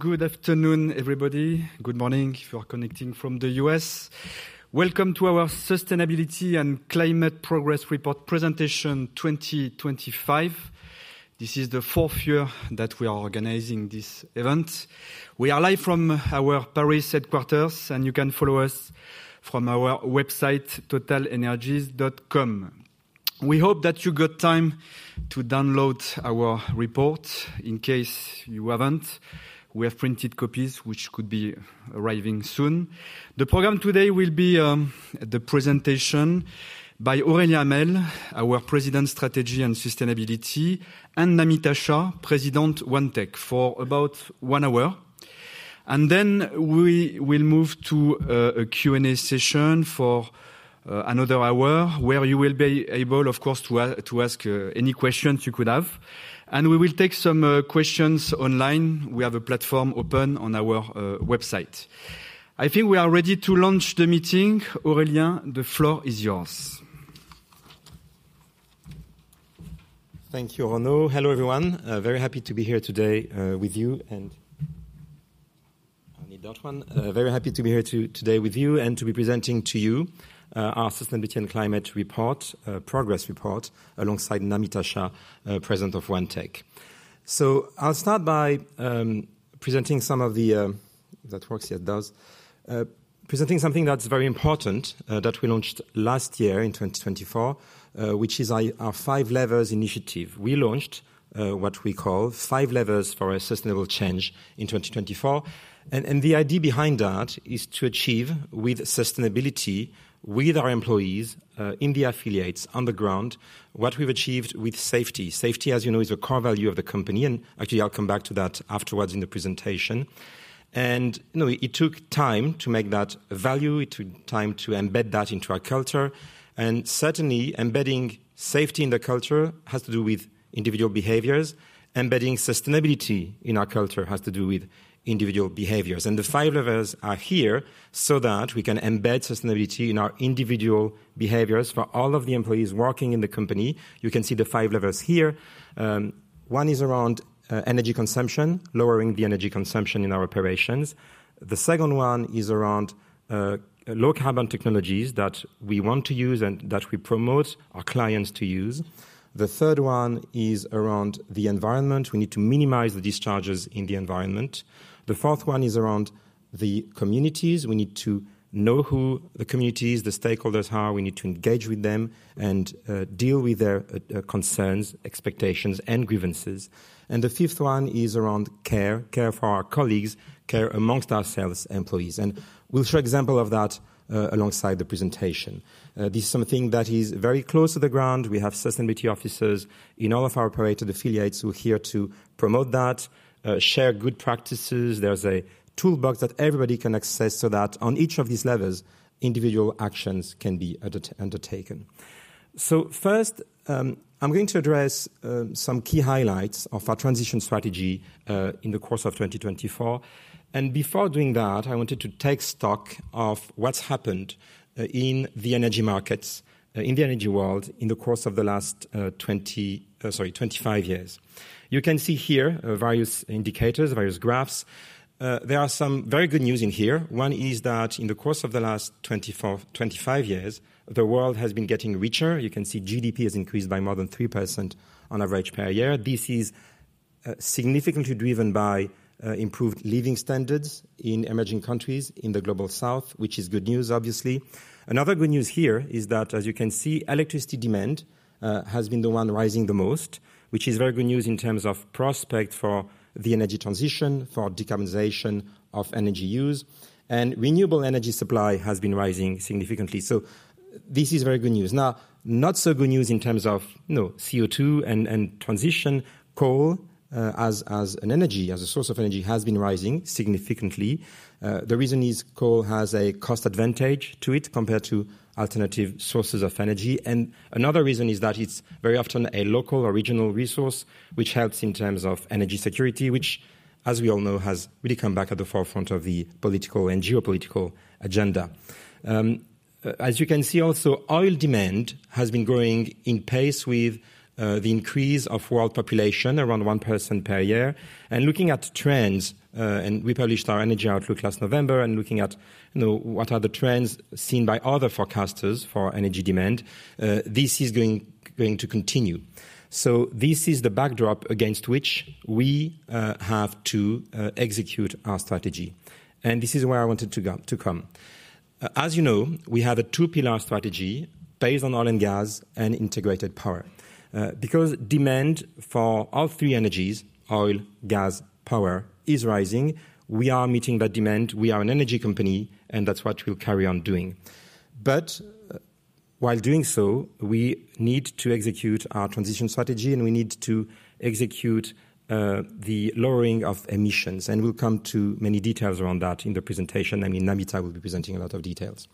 Good afternoon, everybody. Good morning if you are connecting from the U.S. Welcome to our Sustainability and Climate Progress Report presentation 2025. This is the fourth year that we are organizing this event. We are live from our Paris headquarters, and you can follow us from our website, totalenergies.com. We hope that you got time to download our report. In case you haven't, we have printed copies, which could be arriving soon. The program today will be the presentation by Aurélien Hamelle, our President, Strategy and Sustainability, and Namita Shah, President, OneTech, for about one hour. We will move to a Q&A session for another hour, where you will be able, of course, to ask any questions you could have. We will take some questions online. We have a platform open on our website. I think we are ready to launch the meeting. Aurélien, the floor is yours. Thank you, Renaud. Hello, everyone. Very happy to be here today with you. I need that one. Very happy to be here today with you and to be presenting to you our Sustainability and Climate Report, progress report, alongside Namita Shah, President of OneTech. I will start by presenting some of the—that works, yes, it does—presenting something that's very important that we launched last year in 2024, which is our Five Levels initiative. We launched what we call Five Levels for a Sustainable Change in 2024. The idea behind that is to achieve with sustainability, with our employees, in the affiliates, on the ground, what we've achieved with safety. Safety, as you know, is a core value of the company. Actually, I will come back to that afterwards in the presentation. It took time to make that value. It took time to embed that into our culture. Certainly, embedding safety in the culture has to do with individual behaviors. Embedding sustainability in our culture has to do with individual behaviors. The five levels are here so that we can embed sustainability in our individual behaviors for all of the employees working in the company. You can see the five levels here. One is around energy consumption, lowering the energy consumption in our operations. The second one is around low-carbon technologies that we want to use and that we promote our clients to use. The third one is around the environment. We need to minimize the discharges in the environment. The fourth one is around the communities. We need to know who the community is, the stakeholders are. We need to engage with them and deal with their concerns, expectations, and grievances. The fifth one is around care, care for our colleagues, care amongst ourselves, employees. We will show examples of that alongside the presentation. This is something that is very close to the ground. We have sustainability officers in all of our operators, affiliates who are here to promote that, share good practices. There is a toolbox that everybody can access so that on each of these levels, individual actions can be undertaken. First, I am going to address some key highlights of our transition strategy in the course of 2024. Before doing that, I wanted to take stock of what has happened in the energy markets, in the energy world, in the course of the last 20, sorry, 25 years. You can see here various indicators, various graphs. There is some very good news in here. One is that in the course of the last 25 years, the world has been getting richer. You can see GDP has increased by more than 3% on average per year. This is significantly driven by improved living standards in emerging countries in the Global South, which is good news, obviously. Another good news here is that, as you can see, electricity demand has been the one rising the most, which is very good news in terms of prospects for the energy transition, for decarbonization of energy use. Renewable energy supply has been rising significantly. This is very good news. Now, not so good news in terms of CO2 and transition. Coal, as an energy, as a source of energy, has been rising significantly. The reason is coal has a cost advantage to it compared to alternative sources of energy. Another reason is that it's very often a local or regional resource, which helps in terms of energy security, which, as we all know, has really come back at the forefront of the political and geopolitical agenda. As you can see, also, oil demand has been growing in pace with the increase of world population, around 1% per year. Looking at trends, and we published our energy outlook last November, and looking at what are the trends seen by other forecasters for energy demand, this is going to continue. This is the backdrop against which we have to execute our strategy. This is where I wanted to come. As you know, we have a two-pillar strategy based on oil and gas and integrated power. Because demand for all three energies, oil, gas, power, is rising, we are meeting that demand. We are an energy company, and that's what we'll carry on doing. While doing so, we need to execute our transition strategy, and we need to execute the lowering of emissions. We'll come to many details around that in the presentation. I mean, Namita will be presenting a lot of details.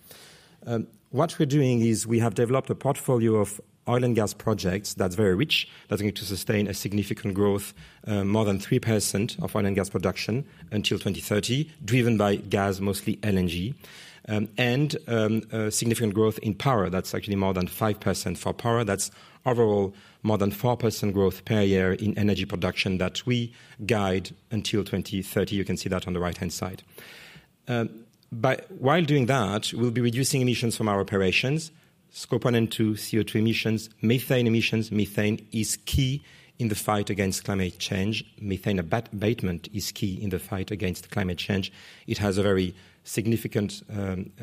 What we're doing is we have developed a portfolio of oil and gas projects that's very rich, that's going to sustain a significant growth, more than 3% of oil and gas production until 2030, driven by gas, mostly LNG, and significant growth in power. That's actually more than 5% for power. That's overall more than 4% growth per year in energy production that we guide until 2030. You can see that on the right-hand side. While doing that, we'll be reducing emissions from our operations, scoping into CO2 emissions, methane emissions. Methane is key in the fight against climate change. Methane abatement is key in the fight against climate change. It has a very significant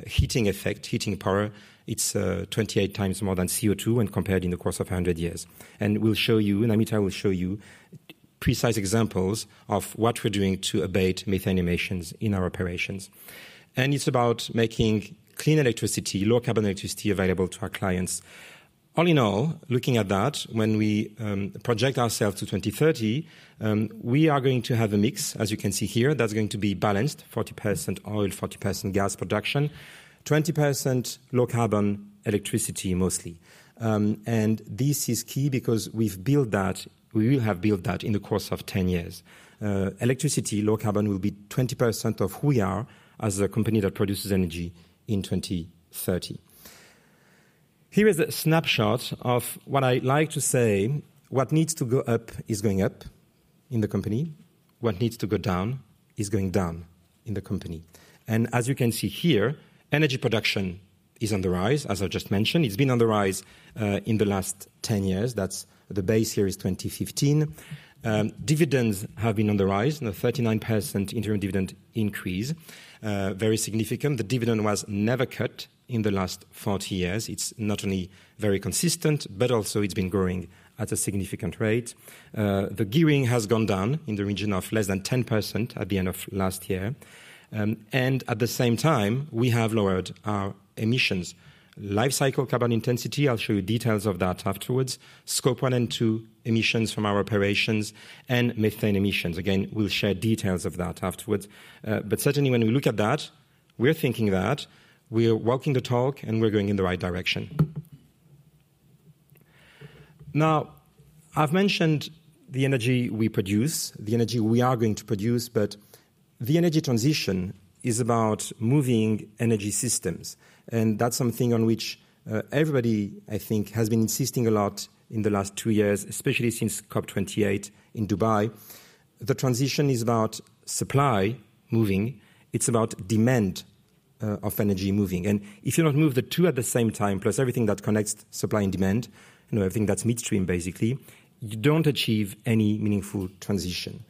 heating effect, heating power. It's 28 times more than CO2 when compared in the course of 100 years. We'll show you, Namita will show you precise examples of what we're doing to abate methane emissions in our operations. It's about making clean electricity, low-carbon electricity available to our clients. All in all, looking at that, when we project ourselves to 2030, we are going to have a mix, as you can see here, that's going to be balanced: 40% oil, 40% gas production, 20% low-carbon electricity, mostly. This is key because we've built that; we will have built that in the course of 10 years. Electricity, low carbon will be 20% of who we are as a company that produces energy in 2030. Here is a snapshot of what I like to say: what needs to go up is going up in the company. What needs to go down is going down in the company. As you can see here, energy production is on the rise, as I just mentioned. It has been on the rise in the last 10 years. The base here is 2015. Dividends have been on the rise, a 39% interim dividend increase, very significant. The dividend was never cut in the last 40 years. It is not only very consistent, but also it has been growing at a significant rate. The gearing has gone down in the region of less than 10% at the end of last year. At the same time, we have lowered our emissions: life cycle carbon intensity. I will show you details of that afterwards. Scope one and two emissions from our operations and methane emissions. Again, we'll share details of that afterwards. Certainly, when we look at that, we're thinking that we're walking the talk and we're going in the right direction. Now, I've mentioned the energy we produce, the energy we are going to produce, but the energy transition is about moving energy systems. That's something on which everybody, I think, has been insisting a lot in the last two years, especially since COP28 in Dubai. The transition is about supply moving. It's about demand of energy moving. If you don't move the two at the same time, plus everything that connects supply and demand, everything that's midstream, basically, you don't achieve any meaningful transition.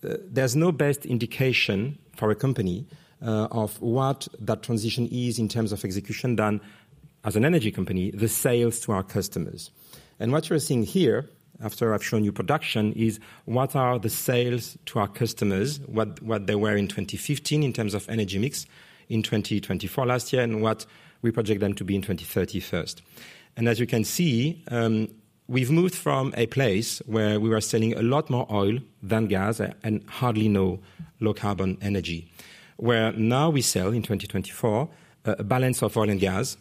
There is no best indication for a company of what that transition is in terms of execution done as an energy company, the sales to our customers. What you're seeing here, after I've shown you production, is what are the sales to our customers, what they were in 2015 in terms of energy mix, in 2024 last year, and what we project them to be in 2031. As you can see, we've moved from a place where we were selling a lot more oil than gas and hardly any low-carbon energy, where now we sell in 2024 a balance of oil and gas,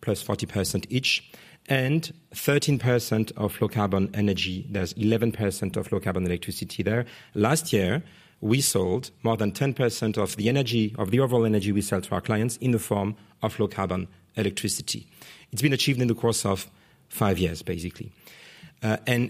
plus 40% each, and 13% of low-carbon energy. There is 11% of low-carbon electricity there. Last year, we sold more than 10% of the energy, of the overall energy we sell to our clients in the form of low-carbon electricity. It's been achieved in the course of five years, basically.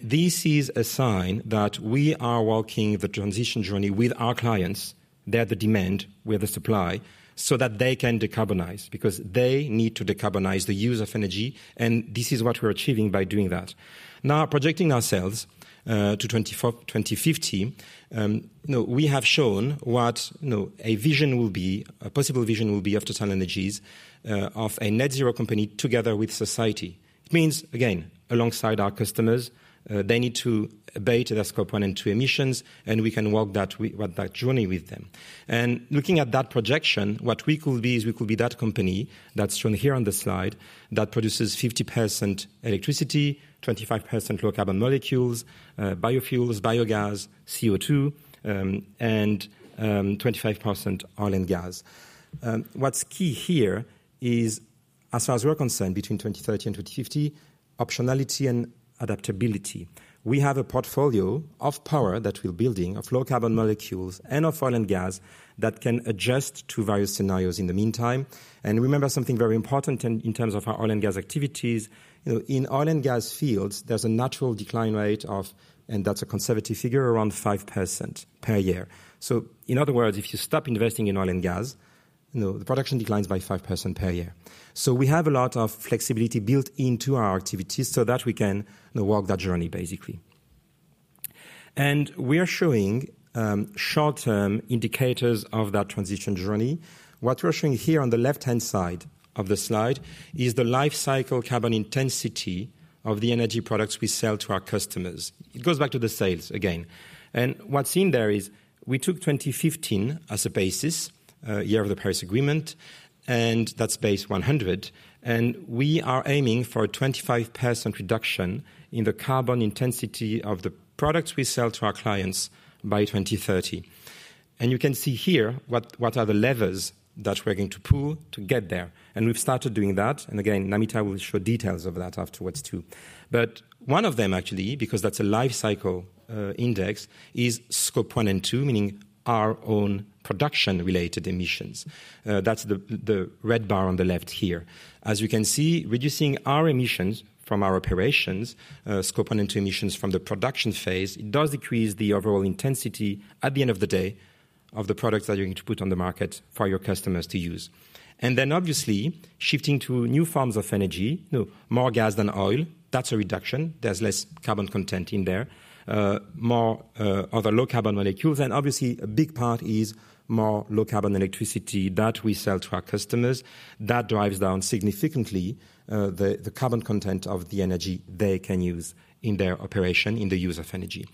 This is a sign that we are walking the transition journey with our clients. They're the demand. We're the supply so that they can decarbonize because they need to decarbonize the use of energy. This is what we're achieving by doing that. Now, projecting ourselves to 2050, we have shown what a vision will be, a possible vision will be of TotalEnergies of a net zero company together with society. It means, again, alongside our customers, they need to abate their scope one and two emissions, and we can walk that journey with them. Looking at that projection, what we could be is we could be that company that's shown here on the slide that produces 50% electricity, 25% low-carbon molecules, biofuels, biogas, CO2, and 25% oil and gas. What's key here is, as far as we're concerned, between 2030 and 2050, optionality and adaptability. We have a portfolio of power that we're building, of low-carbon molecules and of oil and gas that can adjust to various scenarios in the meantime. Remember something very important in terms of our oil and gas activities. In oil and gas fields, there's a natural decline rate of, and that's a conservative figure, around 5% per year. In other words, if you stop investing in oil and gas, the production declines by 5% per year. We have a lot of flexibility built into our activities so that we can walk that journey, basically. We are showing short-term indicators of that transition journey. What we're showing here on the left-hand side of the slide is the life cycle carbon intensity of the energy products we sell to our customers. It goes back to the sales again. What's in there is we took 2015 as a basis, year of the Paris Agreement, and that's base 100. We are aiming for a 25% reduction in the carbon intensity of the products we sell to our clients by 2030. You can see here what are the levers that we're going to pull to get there. We've started doing that. Again, Namita will show details of that afterwards too. One of them, actually, because that's a life cycle index, is scope one and two, meaning our own production-related emissions. That's the red bar on the left here. As you can see, reducing our emissions from our operations, Scope 1 and 2 emissions from the production phase, it does decrease the overall intensity at the end of the day of the products that you're going to put on the market for your customers to use. Obviously, shifting to new forms of energy, more gas than oil, that's a reduction. There's less carbon content in there, more other low-carbon molecules. Obviously, a big part is more low-carbon electricity that we sell to our customers. That drives down significantly the carbon content of the energy they can use in their operation, in the use of energy.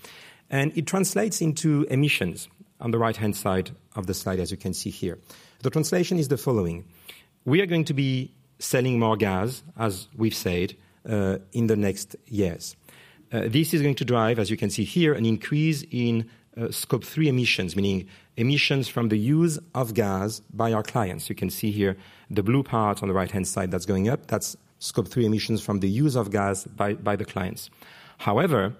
It translates into emissions on the right-hand side of the slide, as you can see here. The translation is the following. We are going to be selling more gas, as we've said, in the next years. This is going to drive, as you can see here, an increase in scope three emissions, meaning emissions from the use of gas by our clients. You can see here the blue part on the right-hand side that's going up. That's scope three emissions from the use of gas by the clients. However,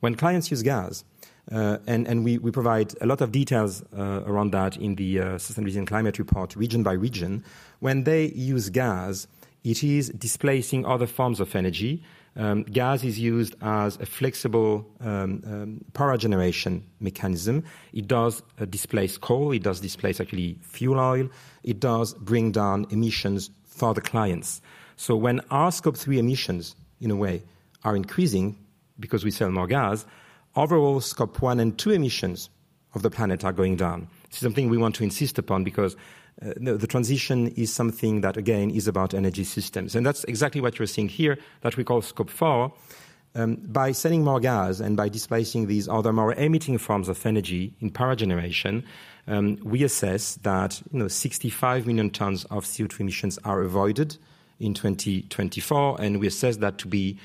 when clients use gas, and we provide a lot of details around that in the Sustainability and Climate Report region by region, when they use gas, it is displacing other forms of energy. Gas is used as a flexible power generation mechanism. It does displace coal. It does displace actually fuel oil. It does bring down emissions for the clients. When our scope three emissions, in a way, are increasing because we sell more gas, overall scope one and two emissions of the planet are going down. This is something we want to insist upon because the transition is something that, again, is about energy systems. That is exactly what you're seeing here that we call scope four. By selling more gas and by displacing these other more emitting forms of energy in power generation, we assess that 65 million tons of CO2 emissions are avoided in 2024. We assess that to be,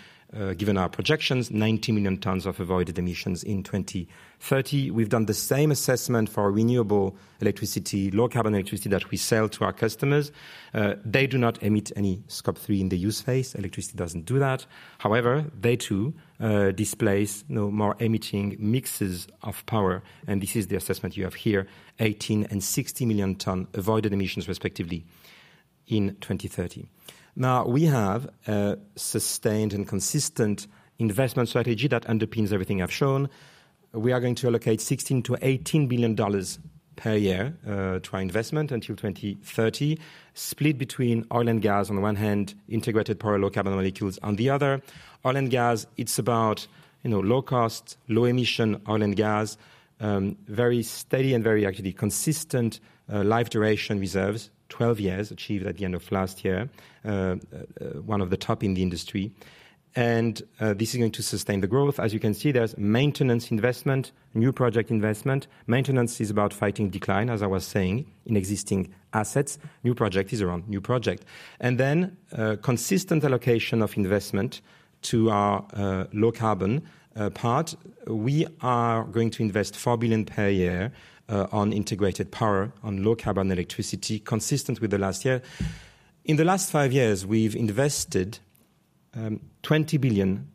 given our projections, 90 million tons of avoided emissions in 2030. We've done the same assessment for renewable electricity, low-carbon electricity that we sell to our customers. They do not emit any scope three in the use phase. Electricity does not do that. However, they too displace more emitting mixes of power. This is the assessment you have here: 18 and 60 million ton avoided emissions, respectively, in 2030. We have a sustained and consistent investment strategy that underpins everything I've shown. We are going to allocate $16 billion-$18 billion per year to our investment until 2030, split between oil and gas on the one hand, integrated power, low-carbon molecules on the other. Oil and gas, it's about low-cost, low-emission oil and gas, very steady and very actually consistent life duration reserves, 12 years achieved at the end of last year, one of the top in the industry. This is going to sustain the growth. As you can see, there's maintenance investment, new project investment. Maintenance is about fighting decline, as I was saying, in existing assets. New project is around new project. Then consistent allocation of investment to our low-carbon part. We are going to invest $4 billion per year on integrated power, on low-carbon electricity, consistent with the last year. In the last five years, we've invested $20 billion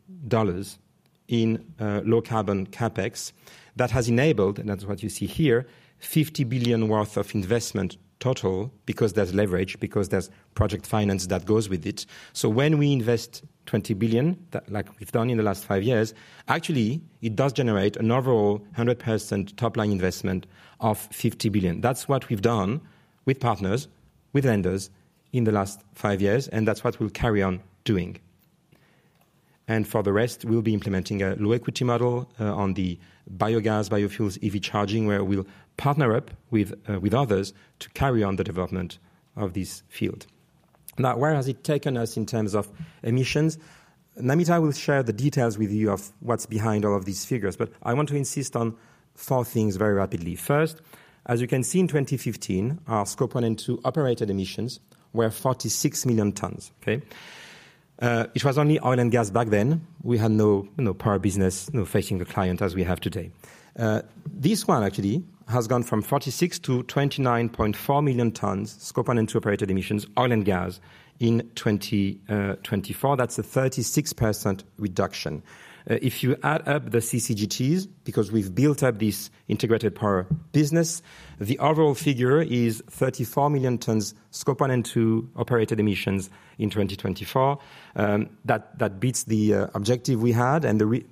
in low-carbon CapEx that has enabled, and that's what you see here, $50 billion worth of investment total because there's leverage, because there's project finance that goes with it. When we invest $20 billion, like we've done in the last five years, actually, it does generate an overall 100% top-line investment of $50 billion. That's what we've done with partners, with vendors in the last five years, and that's what we'll carry on doing. For the rest, we'll be implementing a low-equity model on the biogas, biofuels, EV charging, where we'll partner up with others to carry on the development of this field. Now, where has it taken us in terms of emissions? Namita will share the details with you of what's behind all of these figures, but I want to insist on four things very rapidly. First, as you can see, in 2015, our scope one and two operated emissions were 46 million tons. It was only oil and gas back then. We had no power business facing a client as we have today. This one actually has gone from 46 to 29.4 million tons, scope one and two operated emissions, oil and gas in 2024. That's a 36% reduction. If you add up the CCGTs, because we've built up this integrated power business, the overall figure is 34 million tons scope one and two operated emissions in 2024. That beats the objective we had.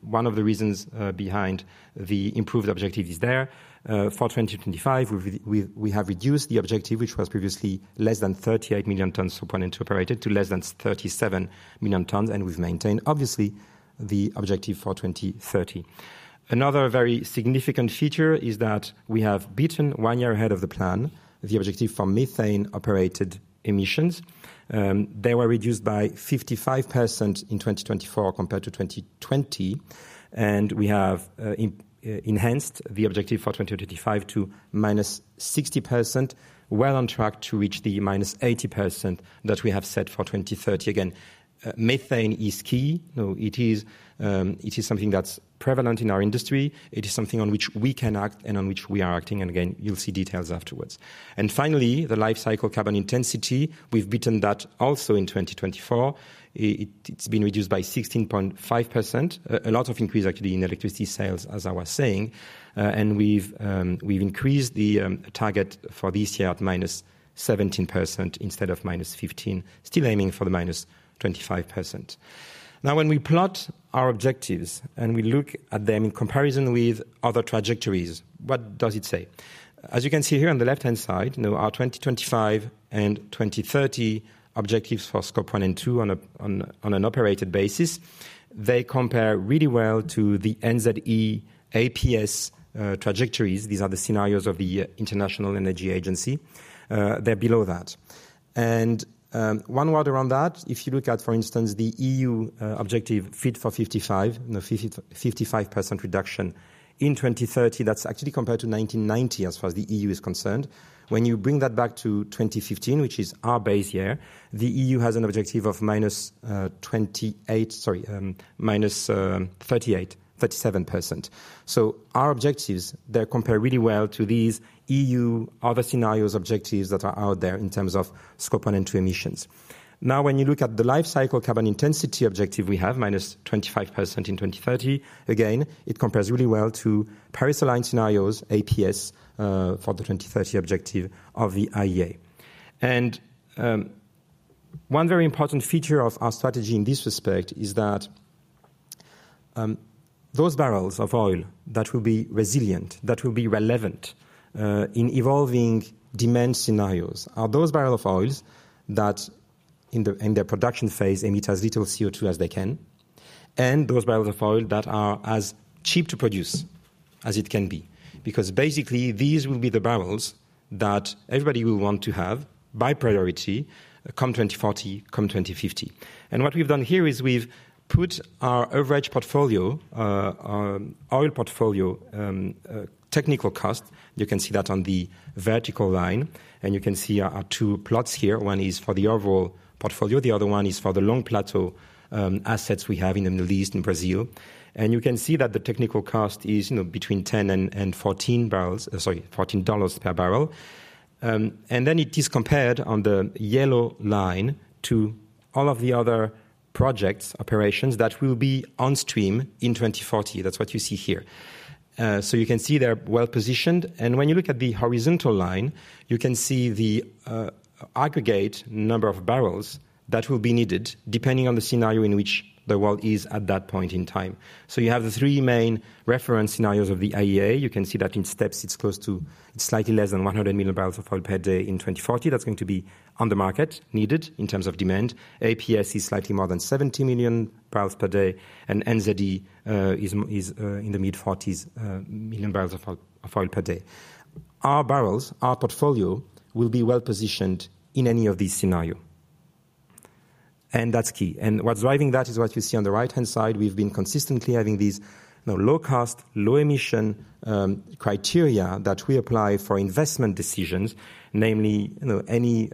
One of the reasons behind the improved objective is there. For 2025, we have reduced the objective, which was previously less than 38 million tons scope one and two operated to less than 37 million tons, and we've maintained, obviously, the objective for 2030. Another very significant feature is that we have beaten one year ahead of the plan, the objective for methane-operated emissions. They were reduced by 55% in 2024 compared to 2020. We have enhanced the objective for 2025 to minus 60%, well on track to reach the minus 80% that we have set for 2030. Again, methane is key. It is something that's prevalent in our industry. It is something on which we can act and on which we are acting. You will see details afterwards. Finally, the life cycle carbon intensity, we've beaten that also in 2024. It's been reduced by 16.5%. A lot of increase, actually, in electricity sales, as I was saying. We've increased the target for this year at minus 17% instead of minus 15, still aiming for the minus 25%. Now, when we plot our objectives and we look at them in comparison with other trajectories, what does it say? As you can see here on the left-hand side, our 2025 and 2030 objectives for scope one and two on an operated basis, they compare really well to the NZE APS trajectories. These are the scenarios of the International Energy Agency. They're below that. One word around that, if you look at, for instance, the EU objective fit for 55, 55% reduction in 2030, that's actually compared to 1990 as far as the EU is concerned. When you bring that back to 2015, which is our base year, the EU has an objective of -38, 37%. Our objectives, they compare really well to these EU other scenarios objectives that are out there in terms of scope one and two emissions. Now, when you look at the life cycle carbon intensity objective we have, -25% in 2030, again, it compares really well to Paris Alliance scenarios APS for the 2030 objective of the IEA. One very important feature of our strategy in this respect is that those barrels of oil that will be resilient, that will be relevant in evolving demand scenarios are those barrels of oil that in their production phase emit as little CO2 as they can, and those barrels of oil that are as cheap to produce as it can be. Because basically, these will be the barrels that everybody will want to have by priority come 2040, come 2050. What we've done here is we've put our average portfolio, oil portfolio technical cost, you can see that on the vertical line, and you can see our two plots here. One is for the overall portfolio. The other one is for the long plateau assets we have in the Middle East, in Brazil. You can see that the technical cost is between $10 and $14 per barrel. It is compared on the yellow line to all of the other projects, operations that will be on stream in 2040. That is what you see here. You can see they are well positioned. When you look at the horizontal line, you can see the aggregate number of barrels that will be needed depending on the scenario in which the world is at that point in time. You have the three main reference scenarios of the IEA. You can see that in STEPS, it is close to slightly less than 100 million barrels of oil per day in 2040. That's going to be on the market needed in terms of demand. APS is slightly more than 70 million barrels per day, and NZE is in the mid-40s million barrels of oil per day. Our barrels, our portfolio will be well positioned in any of these scenarios. That's key. What's driving that is what you see on the right-hand side. We've been consistently having these low-cost, low-emission criteria that we apply for investment decisions, namely any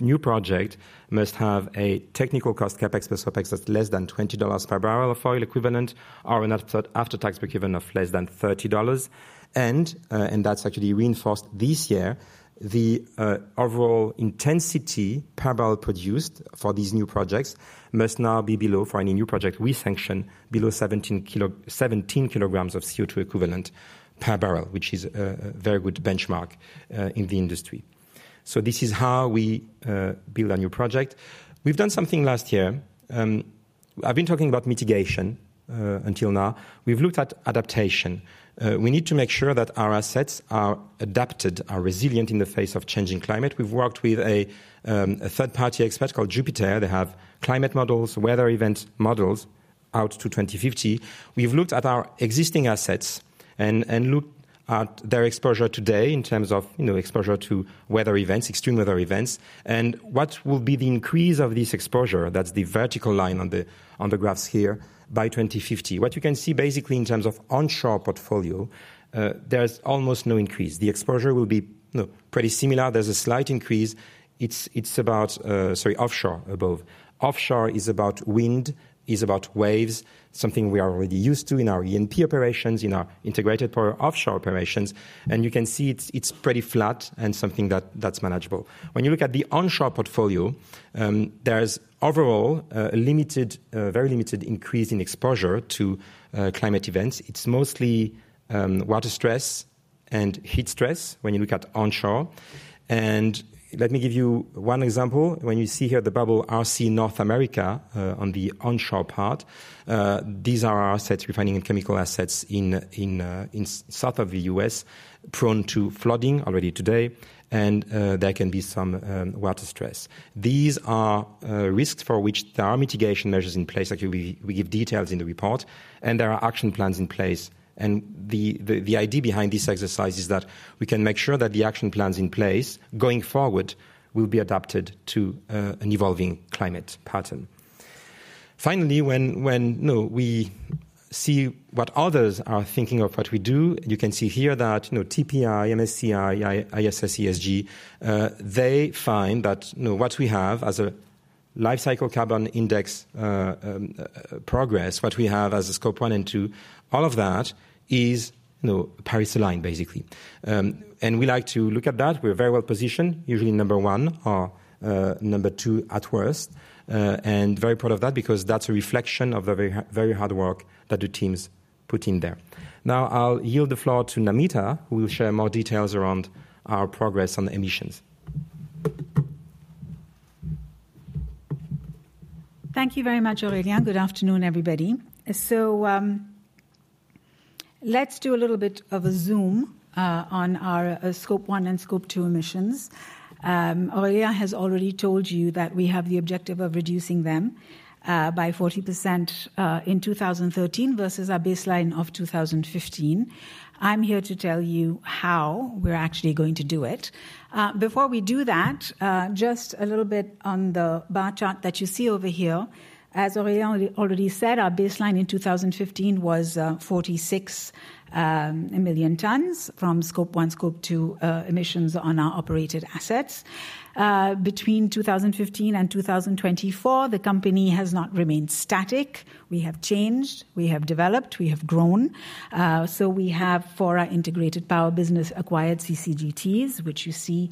new project must have a technical cost, CapEx plus OpEx at less than $20 per barrel of oil equivalent or an after-tax equivalent of less than $30. That's actually reinforced this year. The overall intensity per barrel produced for these new projects must now be below, for any new project we sanction, below 17 kilograms of CO2 equivalent per barrel, which is a very good benchmark in the industry. This is how we build a new project. We've done something last year. I've been talking about mitigation until now. We've looked at adaptation. We need to make sure that our assets are adapted, are resilient in the face of changing climate. We've worked with a third-party expert called Jupiter. They have climate models, weather event models out to 2050. We've looked at our existing assets and looked at their exposure today in terms of exposure to weather events, extreme weather events. What will be the increase of this exposure? That's the vertical line on the graphs here by 2050. What you can see basically in terms of onshore portfolio, there's almost no increase. The exposure will be pretty similar. There's a slight increase. It's about, sorry, offshore above. Offshore is about wind, is about waves, something we are already used to in our ENP operations, in our integrated power offshore operations. You can see it's pretty flat and something that's manageable. When you look at the onshore portfolio, there's overall a very limited increase in exposure to climate events. It's mostly water stress and heat stress when you look at onshore. Let me give you one example. When you see here the bubble RC North America on the onshore part, these are assets we're finding in chemical assets in south of the U.S., prone to flooding already today, and there can be some water stress. These are risks for which there are mitigation measures in place. Actually, we give details in the report, and there are action plans in place. The idea behind this exercise is that we can make sure that the action plans in place going forward will be adapted to an evolving climate pattern. Finally, when we see what others are thinking of what we do, you can see here that TPI, MSCI, ISS, ESG, they find that what we have as a life cycle carbon index progress, what we have as a scope one and two, all of that is Paris aligned, basically. We like to look at that. We're very well positioned, usually number one or number two at worst. Very proud of that because that's a reflection of the very hard work that the teams put in there. Now, I'll yield the floor to Namita, who will share more details around our progress on emissions. Thank you very much, Aurélien. Good afternoon, everybody. Let's do a little bit of a zoom on our scope one and scope two emissions. Aurélien has already told you that we have the objective of reducing them by 40% in 2023 versus our baseline of 2015. I'm here to tell you how we're actually going to do it. Before we do that, just a little bit on the bar chart that you see over here. As Aurélien already said, our baseline in 2015 was 46 million tons from scope one, scope two emissions on our operated assets. Between 2015 and 2024, the company has not remained static. We have changed, we have developed, we have grown. We have, for our integrated power business, acquired CCGTs, which you see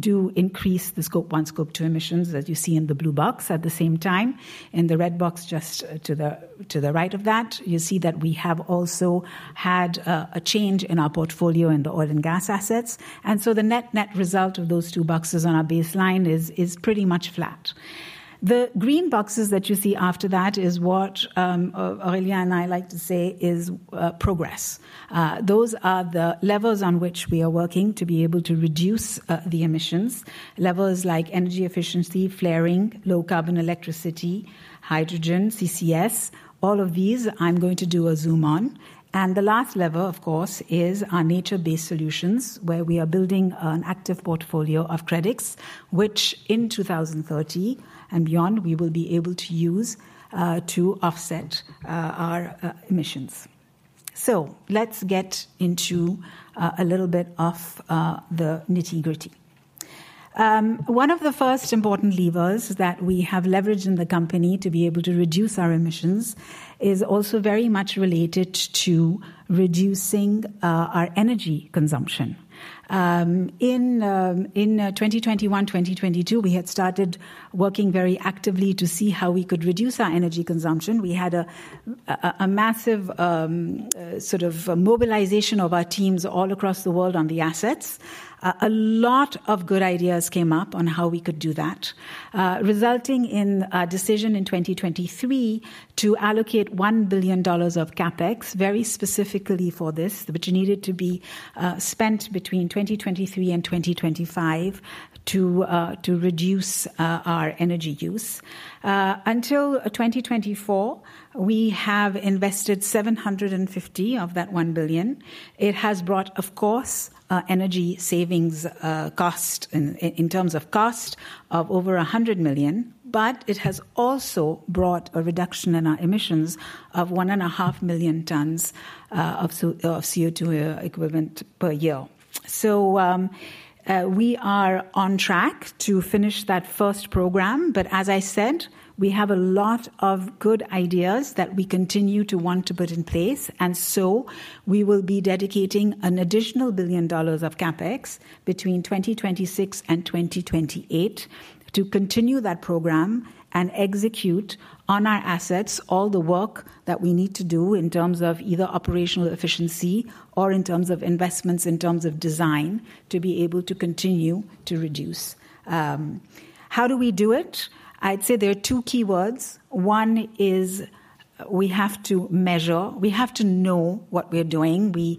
do increase the scope one, scope two emissions that you see in the blue box at the same time. In the red box just to the right of that, you see that we have also had a change in our portfolio in the oil and gas assets. The net-net result of those two boxes on our baseline is pretty much flat. The green boxes that you see after that is what Aurelien and I like to say is progress. Those are the levels on which we are working to be able to reduce the emissions. Levels like energy efficiency, flaring, low carbon electricity, hydrogen, CCS, all of these I am going to do a zoom on. The last level, of course, is our nature-based solutions, where we are building an active portfolio of credits, which in 2030 and beyond, we will be able to use to offset our emissions. Let's get into a little bit of the nitty-gritty. One of the first important levers that we have leveraged in the company to be able to reduce our emissions is also very much related to reducing our energy consumption. In 2021, 2022, we had started working very actively to see how we could reduce our energy consumption. We had a massive sort of mobilization of our teams all across the world on the assets. A lot of good ideas came up on how we could do that, resulting in our decision in 2023 to allocate $1 billion of CapEx very specifically for this, which needed to be spent between 2023 and 2025 to reduce our energy use. Until 2024, we have invested $750 million of that $1 billion. It has brought, of course, energy savings cost in terms of cost of over $100 million, but it has also brought a reduction in our emissions of one and a half million tons of CO2 equivalent per year. We are on track to finish that first program. As I said, we have a lot of good ideas that we continue to want to put in place. We will be dedicating an additional $1 billion of CapEx between 2026 and 2028 to continue that program and execute on our assets all the work that we need to do in terms of either operational efficiency or in terms of investments, in terms of design, to be able to continue to reduce. How do we do it? I'd say there are two key words. One is we have to measure. We have to know what we're doing. We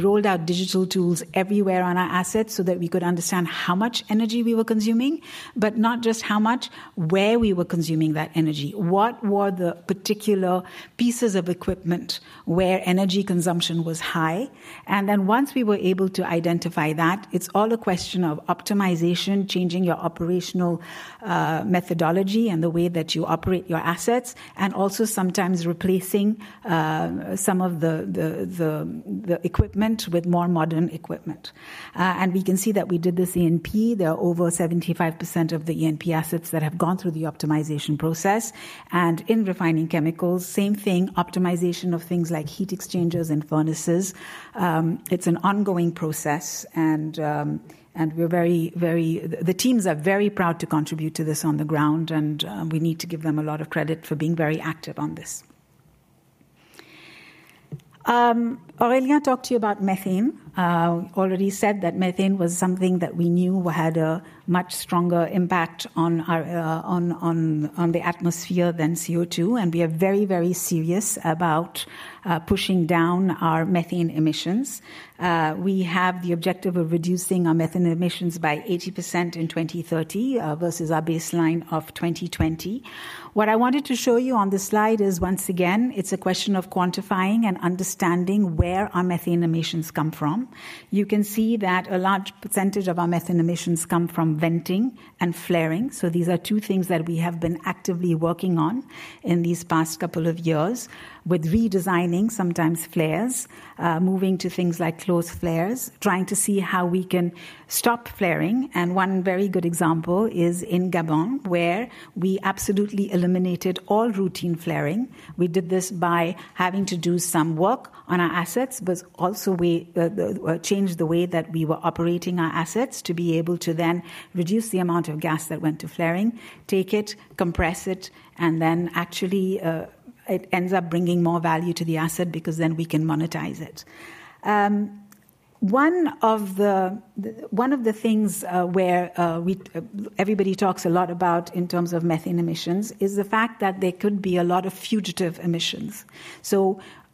rolled out digital tools everywhere on our assets so that we could understand how much energy we were consuming, but not just how much, where we were consuming that energy. What were the particular pieces of equipment where energy consumption was high? Once we were able to identify that, it's all a question of optimization, changing your operational methodology and the way that you operate your assets, and also sometimes replacing some of the equipment with more modern equipment. We can see that we did this in ENP. There are over 75% of the ENP assets that have gone through the optimization process. In refining chemicals, same thing, optimization of things like heat exchangers and furnaces. It's an ongoing process. We are very, very proud. The teams are very proud to contribute to this on the ground, and we need to give them a lot of credit for being very active on this. Aurélien talked to you about methane. Already said that methane was something that we knew had a much stronger impact on the atmosphere than CO2. We are very, very serious about pushing down our methane emissions. We have the objective of reducing our methane emissions by 80% in 2030 versus our baseline of 2020. What I wanted to show you on the slide is, once again, it is a question of quantifying and understanding where our methane emissions come from. You can see that a large percentage of our methane emissions come from venting and flaring. These are two things that we have been actively working on in these past couple of years with redesigning sometimes flares, moving to things like closed flares, trying to see how we can stop flaring. One very good example is in Gabon, where we absolutely eliminated all routine flaring. We did this by having to do some work on our assets, but also changed the way that we were operating our assets to be able to then reduce the amount of gas that went to flaring, take it, compress it, and then actually it ends up bringing more value to the asset because then we can monetize it. One of the things where everybody talks a lot about in terms of methane emissions is the fact that there could be a lot of fugitive emissions.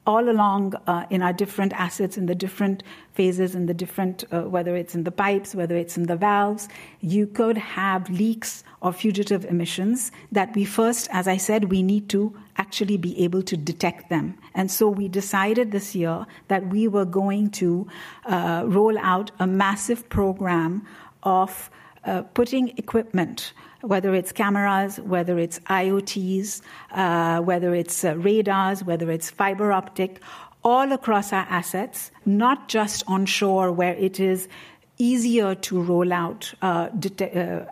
All along in our different assets in the different phases and the different, whether it's in the pipes, whether it's in the valves, you could have leaks of fugitive emissions that we first, as I said, we need to actually be able to detect them. We decided this year that we were going to roll out a massive program of putting equipment, whether it's cameras, whether it's IoTs, whether it's radars, whether it's fiber optic, all across our assets, not just onshore where it is easier to roll out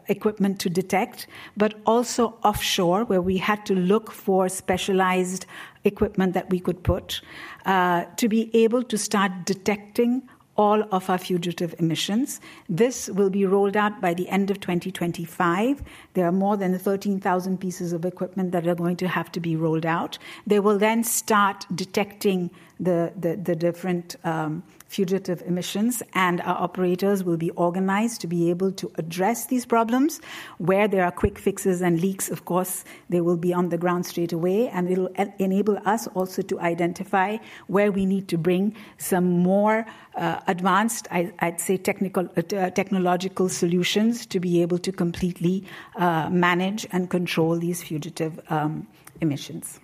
equipment to detect, but also offshore where we had to look for specialized equipment that we could put to be able to start detecting all of our fugitive emissions. This will be rolled out by the end of 2025. There are more than 13,000 pieces of equipment that are going to have to be rolled out. They will then start detecting the different fugitive emissions, and our operators will be organized to be able to address these problems where there are quick fixes and leaks. Of course, they will be on the ground straight away, and it'll enable us also to identify where we need to bring some more advanced, I'd say, technological solutions to be able to completely manage and control these fugitive emissions.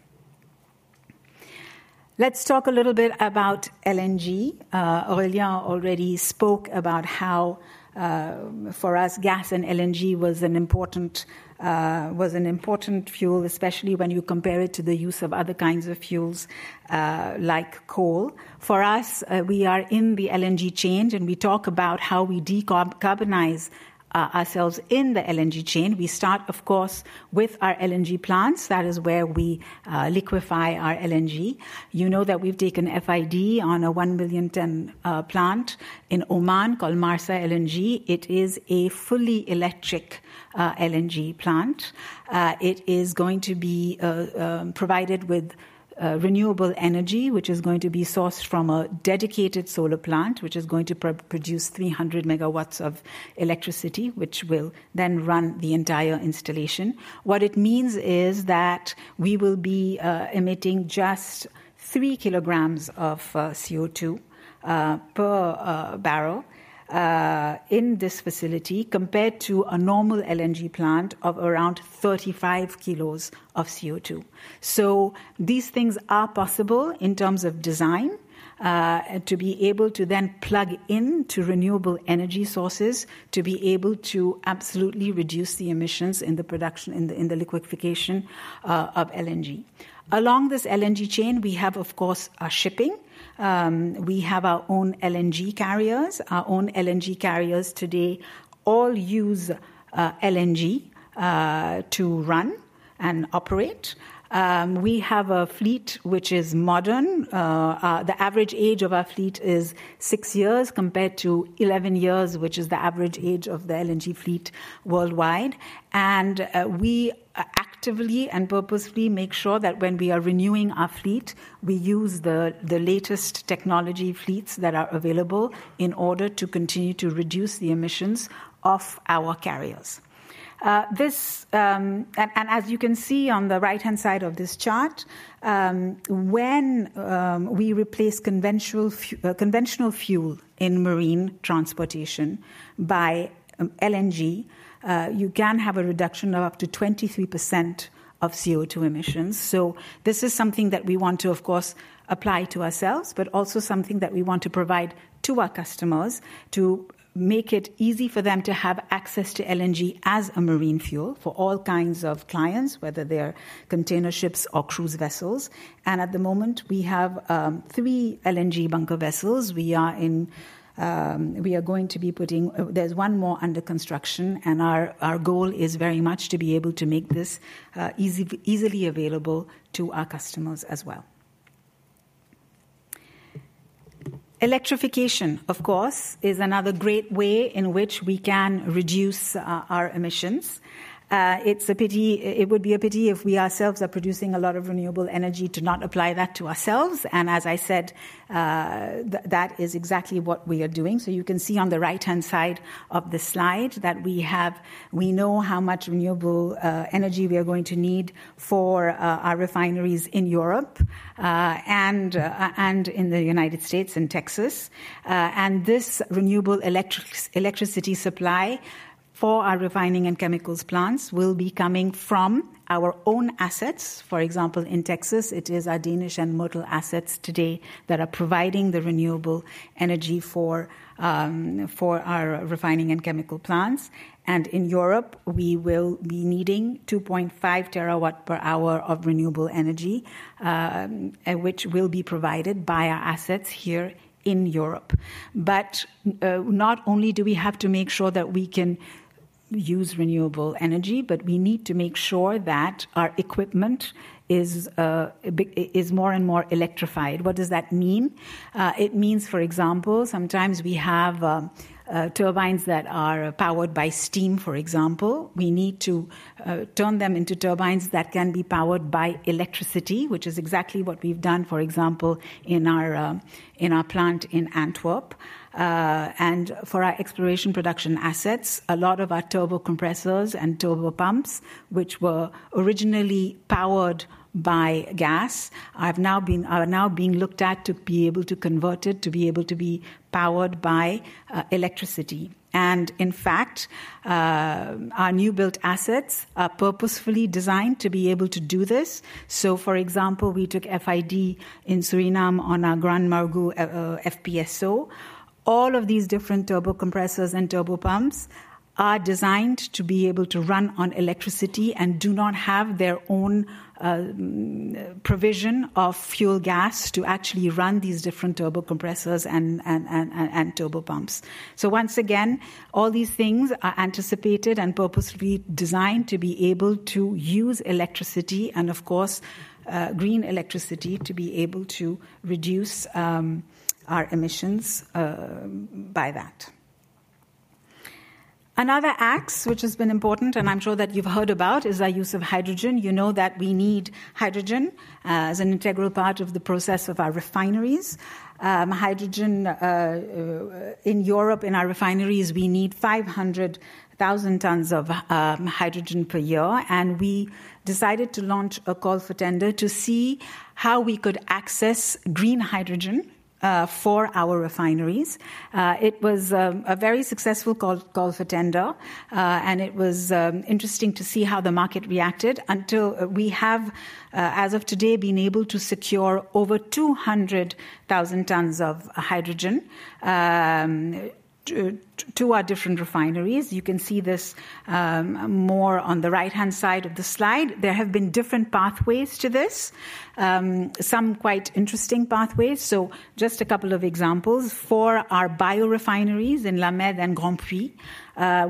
Let's talk a little bit about LNG. Aurelien already spoke about how for us, gas and LNG was an important fuel, especially when you compare it to the use of other kinds of fuels like coal. For us, we are in the LNG chain, and we talk about how we decarbonize ourselves in the LNG chain. We start, of course, with our LNG plants. That is where we liquefy our LNG. You know that we've taken FID on a 1 million ton plant in Oman called Marsa LNG. It is a fully electric LNG plant. It is going to be provided with renewable energy, which is going to be sourced from a dedicated solar plant, which is going to produce 300 MW of electricity, which will then run the entire installation. What it means is that we will be emitting just 3 kg of CO2 per barrel in this facility compared to a normal LNG plant of around 35 kilos of CO2. These things are possible in terms of design to be able to then plug into renewable energy sources to be able to absolutely reduce the emissions in the production in the liquefaction of LNG. Along this LNG chain, we have, of course, our shipping. We have our own LNG carriers. Our own LNG carriers today all use LNG to run and operate. We have a fleet which is modern. The average age of our fleet is six years compared to 11 years, which is the average age of the LNG fleet worldwide. We actively and purposefully make sure that when we are renewing our fleet, we use the latest technology fleets that are available in order to continue to reduce the emissions of our carriers. As you can see on the right-hand side of this chart, when we replace conventional fuel in marine transportation by LNG, you can have a reduction of up to 23% of CO2 emissions. This is something that we want to, of course, apply to ourselves, but also something that we want to provide to our customers to make it easy for them to have access to LNG as a marine fuel for all kinds of clients, whether they're container ships or cruise vessels. At the moment, we have three LNG bunker vessels. We are going to be putting, there's one more under construction, and our goal is very much to be able to make this easily available to our customers as well. Electrification, of course, is another great way in which we can reduce our emissions. It would be a pity if we ourselves are producing a lot of renewable energy to not apply that to ourselves. As I said, that is exactly what we are doing. You can see on the right-hand side of the slide that we know how much renewable energy we are going to need for our refineries in Europe and in the United States and Texas. This renewable electricity supply for our refining and chemicals plants will be coming from our own assets. For example, in Texas, it is our Danish and Myrtle assets today that are providing the renewable energy for our refining and chemical plants. In Europe, we will be needing 2.5 terawatt per hour of renewable energy, which will be provided by our assets here in Europe. Not only do we have to make sure that we can use renewable energy, but we need to make sure that our equipment is more and more electrified. What does that mean? It means, for example, sometimes we have turbines that are powered by steam, for example. We need to turn them into turbines that can be powered by electricity, which is exactly what we've done, for example, in our plant in Antwerp. For our exploration production assets, a lot of our turbo compressors and turbo pumps, which were originally powered by gas, are now being looked at to be able to convert it to be able to be powered by electricity. In fact, our new built assets are purposefully designed to be able to do this. For example, we took FID in Suriname on our Grand Morgu FPSO. All of these different turbo compressors and turbo pumps are designed to be able to run on electricity and do not have their own provision of fuel gas to actually run these different turbo compressors and turbo pumps. Once again, all these things are anticipated and purposefully designed to be able to use electricity and, of course, green electricity to be able to reduce our emissions by that. Another axe, which has been important and I'm sure that you've heard about, is our use of hydrogen. You know that we need hydrogen as an integral part of the process of our refineries. Hydrogen in Europe in our refineries, we need 500,000 tons of hydrogen per year. We decided to launch a call for tender to see how we could access green hydrogen for our refineries. It was a very successful call for tender, and it was interesting to see how the market reacted until we have, as of today, been able to secure over 200,000 tons of hydrogen to our different refineries. You can see this more on the right-hand side of the slide. There have been different pathways to this, some quite interesting pathways. Just a couple of examples. For our bio refineries in La Mède and Grandpuits,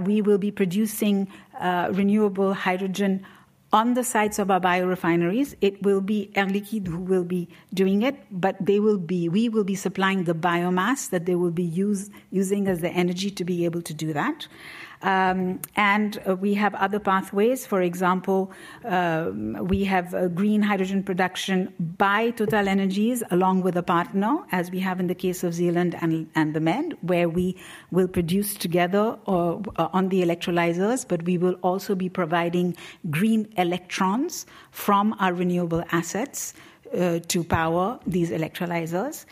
we will be producing renewable hydrogen on the sites of our bio refineries. It will be Air Liquide who will be doing it, but we will be supplying the biomass that they will be using as the energy to be able to do that. We have other pathways. For example, we have green hydrogen production by TotalEnergies along with a partner, as we have in the case of Zeeland and the Mède, where we will produce together on the electrolyzers, but we will also be providing green electrons from our renewable assets to power these electrolyzers.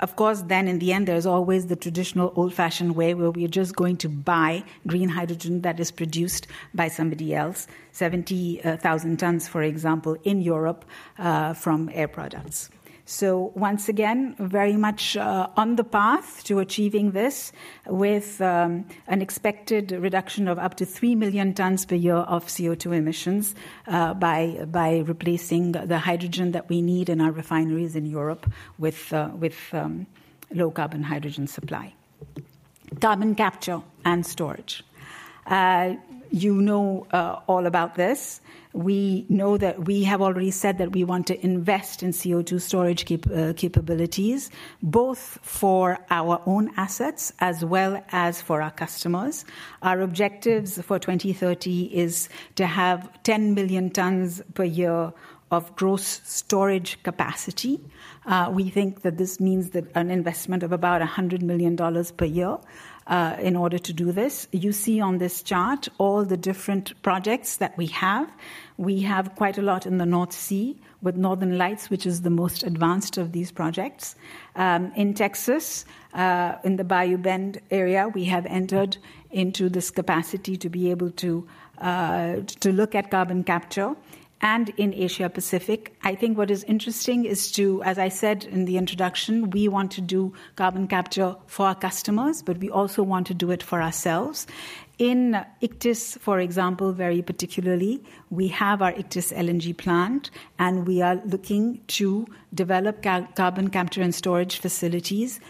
Of course, then in the end, there's always the traditional old-fashioned way where we're just going to buy green hydrogen that is produced by somebody else, 70,000 tons, for example, in Europe from Air Products. Once again, very much on the path to achieving this with an expected reduction of up to 3 million tons per year of CO2 emissions by replacing the hydrogen that we need in our refineries in Europe with low carbon hydrogen supply. Carbon capture and storage. You know all about this. We know that we have already said that we want to invest in CO2 storage capabilities, both for our own assets as well as for our customers. Our objectives for 2030 is to have 10 million tons per year of gross storage capacity. We think that this means that an investment of about $100 million per year in order to do this. You see on this chart all the different projects that we have. We have quite a lot in the North Sea with Northern Lights, which is the most advanced of these projects. In Texas, in the Bayou Bend area, we have entered into this capacity to be able to look at carbon capture. In Asia Pacific, I think what is interesting is to, as I said in the introduction, we want to do carbon capture for our customers, but we also want to do it for ourselves. In ICTIS, for example, very particularly, we have our ICTIS LNG plant, and we are looking to develop carbon capture and storage facilities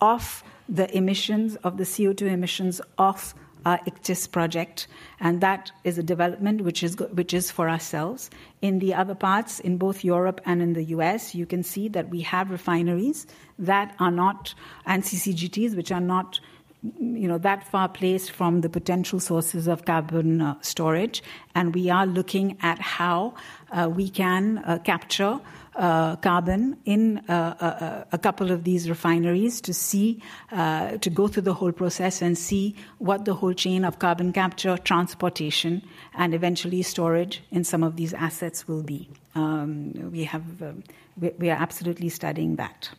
of the emissions of the CO2 emissions of our ICTIS project. That is a development which is for ourselves. In the other parts, in both Europe and in the US, you can see that we have refineries that are not and CCGTs, which are not that far placed from the potential sources of carbon storage. We are looking at how we can capture carbon in a couple of these refineries to go through the whole process and see what the whole chain of carbon capture, transportation, and eventually storage in some of these assets will be. We are absolutely studying that.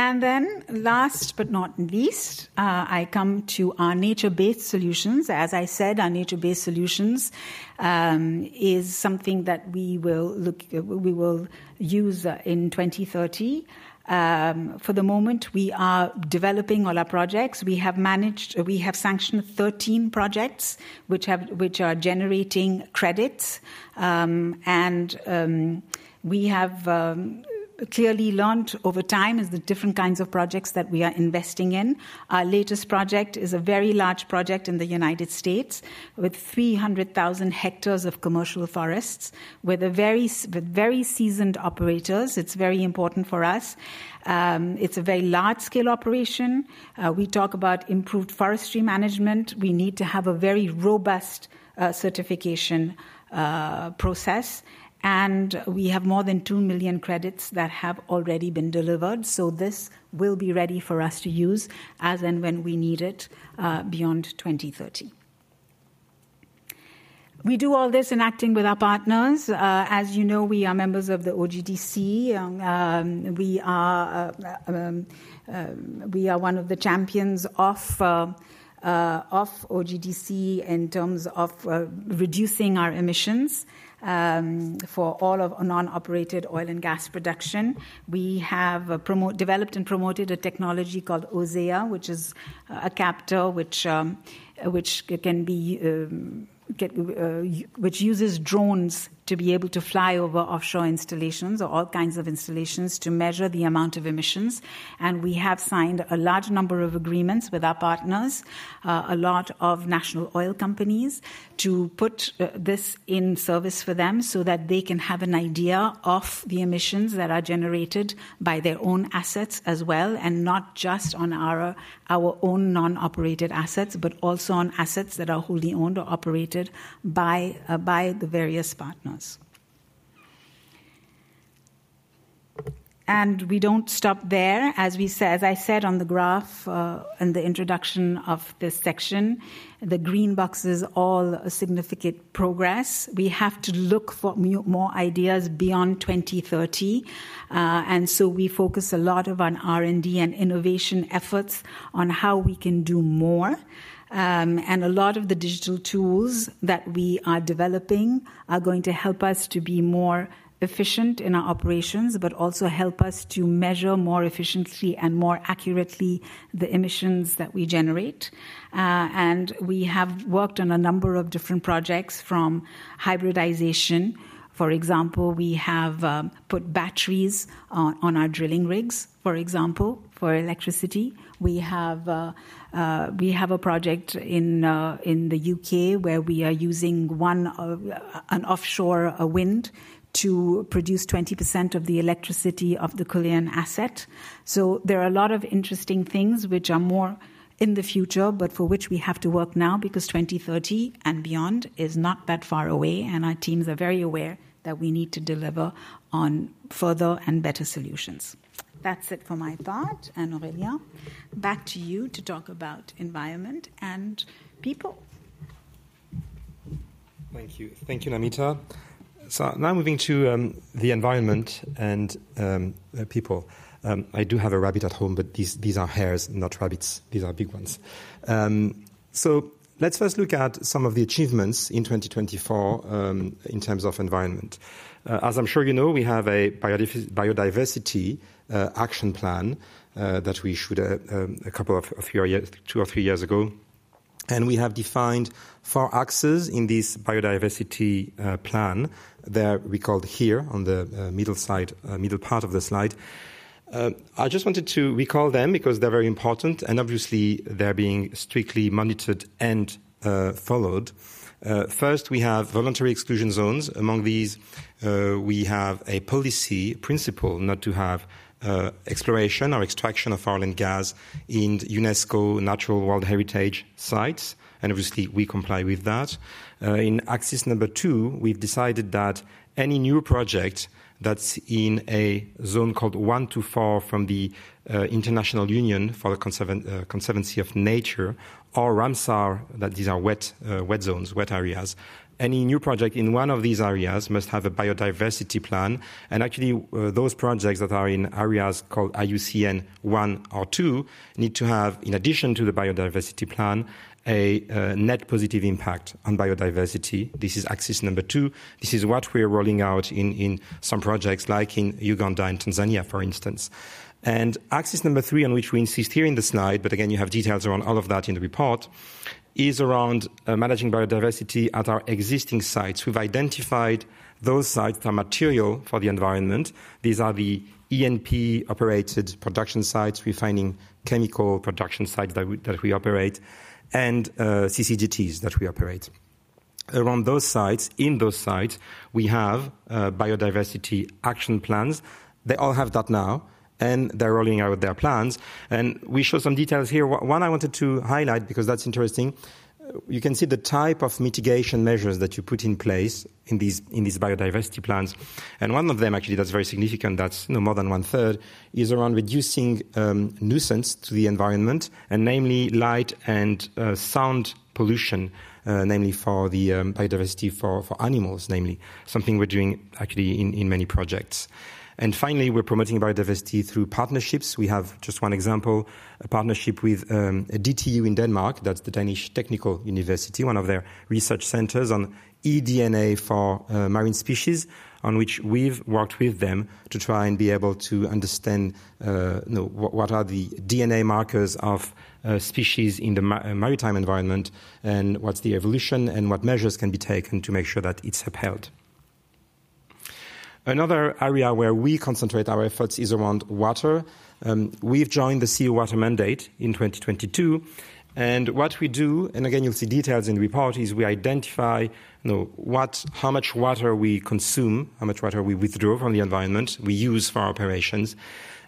Last but not least, I come to our nature-based solutions. As I said, our nature-based solutions is something that we will use in 2030. For the moment, we are developing all our projects. We have sanctioned 13 projects which are generating credits. We have clearly learned over time as the different kinds of projects that we are investing in. Our latest project is a very large project in the United States with 300,000 hectares of commercial forests with very seasoned operators. It's very important for us. It's a very large-scale operation. We talk about improved forestry management. We need to have a very robust certification process. We have more than 2 million credits that have already been delivered. This will be ready for us to use as and when we need it beyond 2030. We do all this in acting with our partners. As you know, we are members of the OGDC. We are one of the champions of OGDC in terms of reducing our emissions for all of non-operated oil and gas production. We have developed and promoted a technology called OSEA, which is a captor which uses drones to be able to fly over offshore installations or all kinds of installations to measure the amount of emissions. We have signed a large number of agreements with our partners, a lot of national oil companies to put this in service for them so that they can have an idea of the emissions that are generated by their own assets as well, and not just on our own non-operated assets, but also on assets that are wholly owned or operated by the various partners. We do not stop there. As I said on the graph in the introduction of this section, the green box is all significant progress. We have to look for more ideas beyond 2030. We focus a lot on R&D and innovation efforts on how we can do more. A lot of the digital tools that we are developing are going to help us to be more efficient in our operations, but also help us to measure more efficiently and more accurately the emissions that we generate. We have worked on a number of different projects from hybridization. For example, we have put batteries on our drilling rigs, for example, for electricity. We have a project in the U.K. where we are using offshore wind to produce 20% of the electricity of the Culian asset. There are a lot of interesting things which are more in the future, but for which we have to work now because 2030 and beyond is not that far away. Our teams are very aware that we need to deliver on further and better solutions. That's it for my thought. Aurelia, back to you to talk about environment and people. Thank you. Thank you, Namita. Now moving to the environment and people. I do have a rabbit at home, but these are hares, not rabbits. These are big ones. Let's first look at some of the achievements in 2024 in terms of environment. As I'm sure you know, we have a biodiversity action plan that we issued a couple of two or three years ago. We have defined four axes in this biodiversity plan that we called here on the middle part of the slide. I just wanted to recall them because they're very important. Obviously, they're being strictly monitored and followed. First, we have voluntary exclusion zones. Among these, we have a policy principle not to have exploration or extraction of oil and gas in UNESCO Natural World Heritage sites. Obviously, we comply with that. In axis number two, we've decided that any new project that's in a zone called 1 to 4 from the International Union for Conservation of Nature or RAMSAR, that these are wet zones, wet areas, any new project in one of these areas must have a biodiversity plan. Actually, those projects that are in areas called IUCN 1 or 2 need to have, in addition to the biodiversity plan, a net positive impact on biodiversity. This is axis number two. This is what we are rolling out in some projects like in Uganda and Tanzania, for instance. Axis number three, on which we insist here in the slide, but again, you have details around all of that in the report, is around managing biodiversity at our existing sites. We have identified those sites that are material for the environment. These are the ENP-operated production sites. We are finding chemical production sites that we operate and CCGTs that we operate. Around those sites, in those sites, we have biodiversity action plans. They all have that now, and they are rolling out their plans. We show some details here. One I wanted to highlight because that is interesting. You can see the type of mitigation measures that you put in place in these biodiversity plans. One of them, actually, that's very significant, that's more than one third, is around reducing nuisance to the environment, namely light and sound pollution, namely for the biodiversity for animals, namely something we're doing actually in many projects. Finally, we're promoting biodiversity through partnerships. We have just one example, a partnership with DTU in Denmark. That's the Danish Technical University, one of their research centers on eDNA for marine species, on which we've worked with them to try and be able to understand what are the DNA markers of species in the maritime environment and what's the evolution and what measures can be taken to make sure that it's upheld. Another area where we concentrate our efforts is around water. We've joined the Seawater Mandate in 2022. What we do, and again, you'll see details in the report, is we identify how much water we consume, how much water we withdraw from the environment, we use for our operations.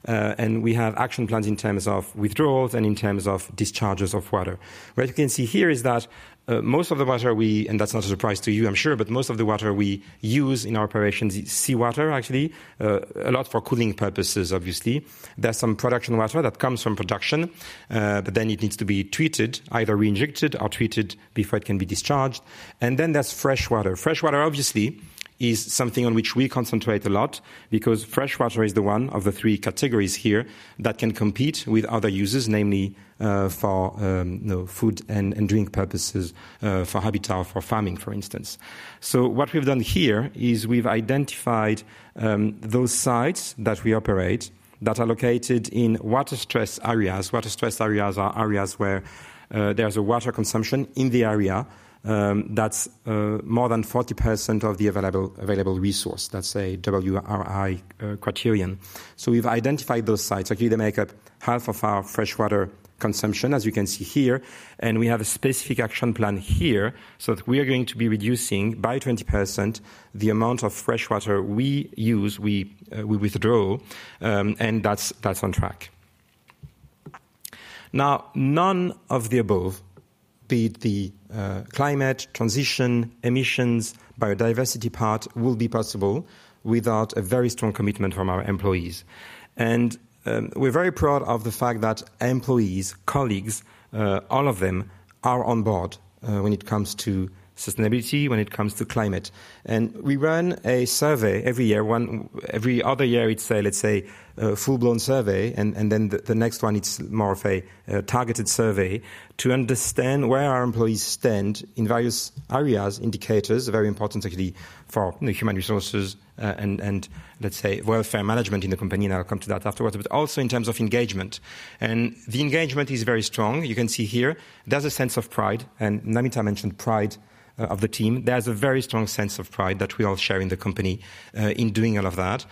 We have action plans in terms of withdrawals and in terms of discharges of water. What you can see here is that most of the water we, and that's not a surprise to you, I'm sure, but most of the water we use in our operations, seawater actually, a lot for cooling purposes, obviously. There's some production water that comes from production, but then it needs to be treated, either re-injected. We treat it before it can be discharged. Then there's freshwater. Freshwater, obviously, is something on which we concentrate a lot because freshwater is the one of the three categories here that can compete with other users, namely for food and drink purposes, for habitat, for farming, for instance. What we've done here is we've identified those sites that we operate that are located in water stress areas. Water stress areas are areas where there's a water consumption in the area that's more than 40% of the available resource. That's a WRI criterion. We've identified those sites. Actually, they make up half of our freshwater consumption, as you can see here. We have a specific action plan here so that we are going to be reducing by 20% the amount of freshwater we use, we withdraw, and that's on track. Now, none of the above, be it the climate, transition, emissions, biodiversity part, will be possible without a very strong commitment from our employees. We are very proud of the fact that employees, colleagues, all of them are on board when it comes to sustainability, when it comes to climate. We run a survey every year. Every other year, it is a, let's say, full-blown survey. The next one is more of a targeted survey to understand where our employees stand in various areas, indicators, very important actually for human resources and, let's say, welfare management in the company. I will come to that afterwards, but also in terms of engagement. The engagement is very strong. You can see here, there is a sense of pride. Namita mentioned pride of the team. There's a very strong sense of pride that we all share in the company in doing all of that.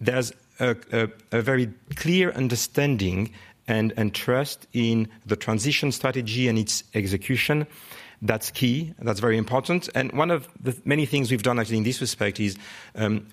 There's a very clear understanding and trust in the transition strategy and its execution. That's key. That's very important. One of the many things we've done actually in this respect is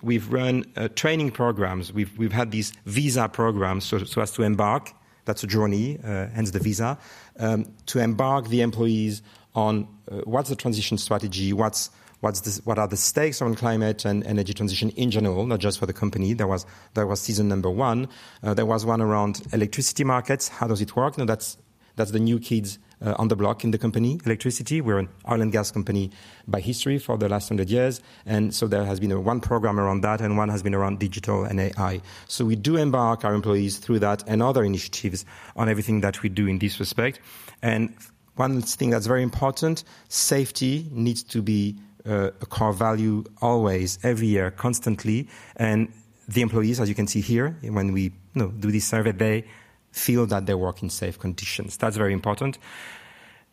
we've run training programs. We've had these visa programs for us to embark. That's a journey, hence the visa, to embark the employees on what's the transition strategy, what are the stakes on climate and energy transition in general, not just for the company. That was season number one. There was one around electricity markets. How does it work? That's the new kids on the block in the company, electricity. We're an oil and gas company by history for the last 100 years. There has been one program around that, and one has been around digital and AI. We do embark our employees through that and other initiatives on everything that we do in this respect. One thing that's very important, safety needs to be a core value always, every year, constantly. The employees, as you can see here, when we do this survey, they feel that they work in safe conditions. That's very important.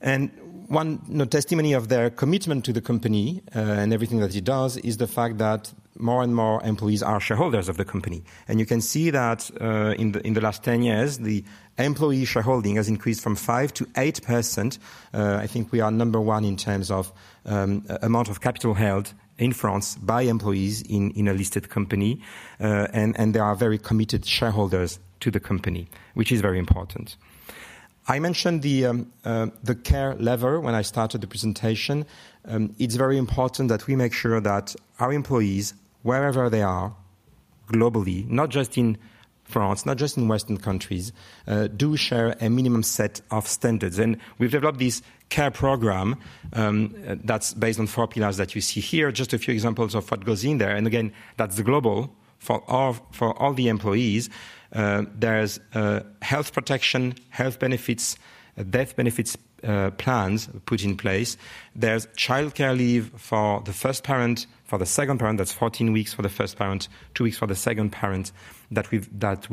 One testimony of their commitment to the company and everything that he does is the fact that more and more employees are shareholders of the company. You can see that in the last 10 years, the employee shareholding has increased from 5% to 8%. I think we are number one in terms of amount of capital held in France by employees in a listed company. They are very committed shareholders to the company, which is very important. I mentioned the care level when I started the presentation. It is very important that we make sure that our employees, wherever they are globally, not just in France, not just in Western countries, do share a minimum set of standards. We have developed this care program that is based on four pillars that you see here. Just a few examples of what goes in there. That is global for all the employees. There is health protection, health benefits, death benefits plans put in place. There is childcare leave for the first parent, for the second parent. That is 14 weeks for the first parent, two weeks for the second parent that we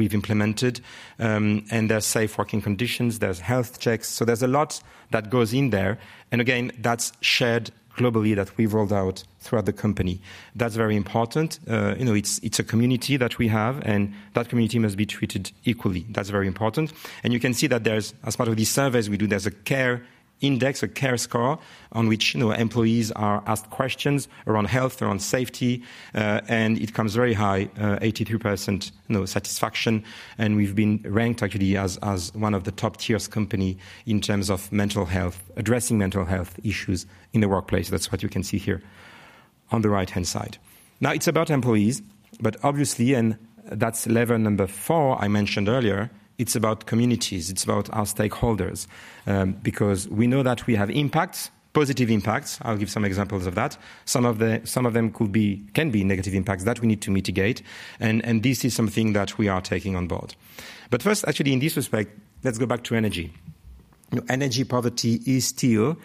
have implemented. There are safe working conditions. There are health checks. There is a lot that goes in there. Again, that's shared globally that we've rolled out throughout the company. That's very important. It's a community that we have, and that community must be treated equally. That's very important. You can see that there's, as part of these surveys we do, a care index, a care score on which employees are asked questions around health, around safety. It comes very high, 83% satisfaction. We've been ranked actually as one of the top tiers company in terms of addressing mental health issues in the workplace. That's what you can see here on the right-hand side. Now, it's about employees, but obviously, and that's level number four I mentioned earlier, it's about communities. It's about our stakeholders because we know that we have impacts, positive impacts. I'll give some examples of that. Some of them can be negative impacts that we need to mitigate. This is something that we are taking on board. Actually, in this respect, let's go back to energy. Energy poverty is still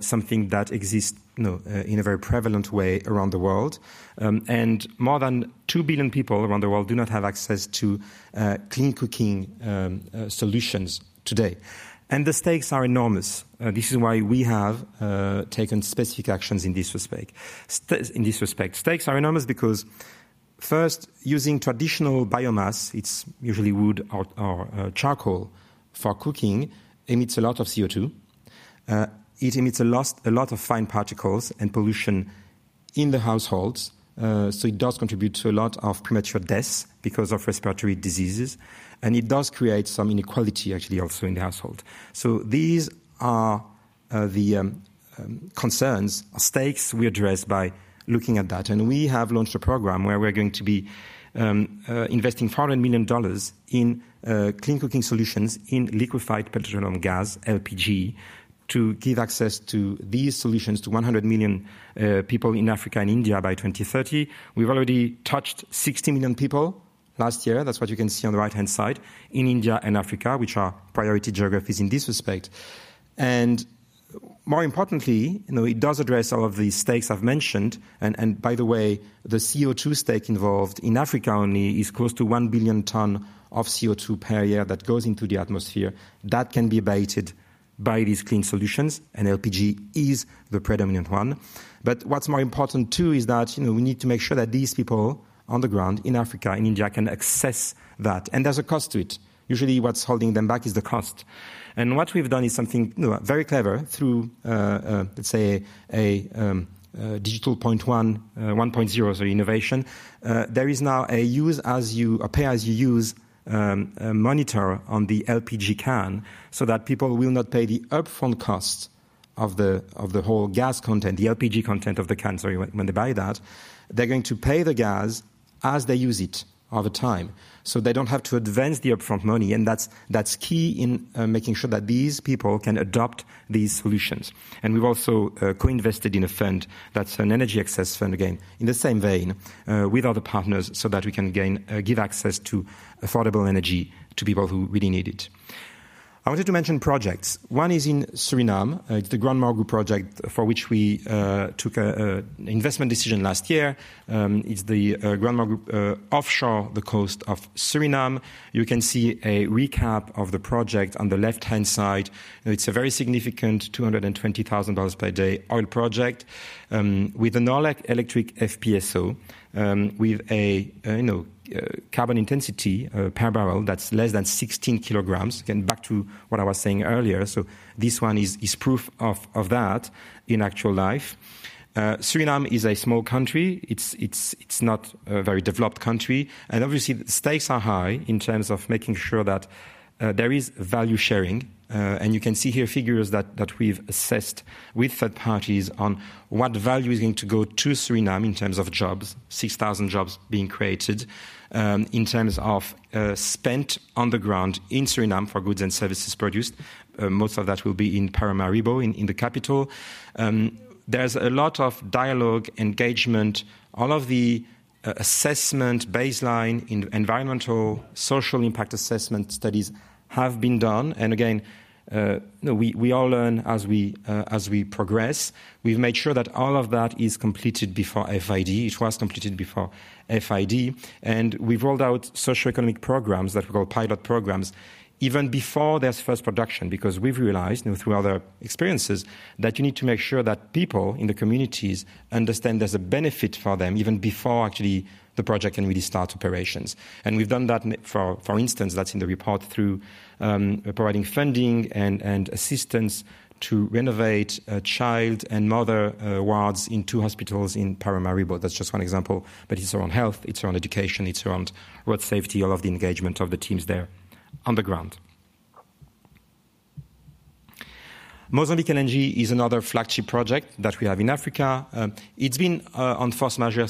something that exists in a very prevalent way around the world. More than 2 billion people around the world do not have access to clean cooking solutions today. The stakes are enormous. This is why we have taken specific actions in this respect. Stakes are enormous because, first, using traditional biomass, it's usually wood or charcoal for cooking, emits a lot of CO2. It emits a lot of fine particles and pollution in the households. It does contribute to a lot of premature deaths because of respiratory diseases. It does create some inequality actually also in the household. These are the concerns or stakes we address by looking at that. We have launched a program where we're going to be investing $400 million in clean cooking solutions in liquefied petroleum gas, LPG, to give access to these solutions to 100 million people in Africa and India by 2030. We've already touched 60 million people last year. That's what you can see on the right-hand side in India and Africa, which are priority geographies in this respect. More importantly, it does address all of the stakes I've mentioned. By the way, the CO2 stake involved in Africa only is close to 1 billion tons of CO2 per year that goes into the atmosphere that can be abated by these clean solutions. LPG is the predominant one. What's more important too is that we need to make sure that these people on the ground in Africa and India can access that. There's a cost to it. Usually, what's holding them back is the cost. What we've done is something very clever through, let's say, a digital 1.0, so innovation. There is now a pay-as-you-use monitor on the LPG can so that people will not pay the upfront cost of the whole gas content, the LPG content of the can. When they buy that, they're going to pay the gas as they use it over time. They don't have to advance the upfront money. That's key in making sure that these people can adopt these solutions. We've also co-invested in a fund that's an energy access fund, again, in the same vein with other partners so that we can give access to affordable energy to people who really need it. I wanted to mention projects. One is in Suriname. It's the Grand Morgu FPSO project for which we took an investment decision last year. It's the Grand Morgu FPSO offshore the coast of Suriname. You can see a recap of the project on the left-hand side. It's a very significant $220,000 per day oil project with an all-electric FPSO with a carbon intensity per barrel that's less than 16 kilograms. Again, back to what I was saying earlier. This one is proof of that in actual life. Suriname is a small country. It's not a very developed country. Obviously, the stakes are high in terms of making sure that there is value sharing. You can see here figures that we've assessed with third parties on what value is going to go to Suriname in terms of jobs, 6,000 jobs being created in terms of spend on the ground in Suriname for goods and services produced. Most of that will be in Paramaribo, in the capital. There's a lot of dialogue, engagement. All of the assessment baseline in environmental, social impact assessment studies have been done. We all learn as we progress. We've made sure that all of that is completed before FID. It was completed before FID. We've rolled out socioeconomic programs that we call pilot programs even before there's first production because we've realized through other experiences that you need to make sure that people in the communities understand there's a benefit for them even before actually the project can really start operations. We've done that. For instance, that's in the report through providing funding and assistance to renovate child and mother wards in two hospitals in Paramaribo. That's just one example. It's around health. It's around education. It's around road safety, all of the engagement of the teams there on the ground. Mozambique LNG is another flagship project that we have in Africa. It's been on force majeure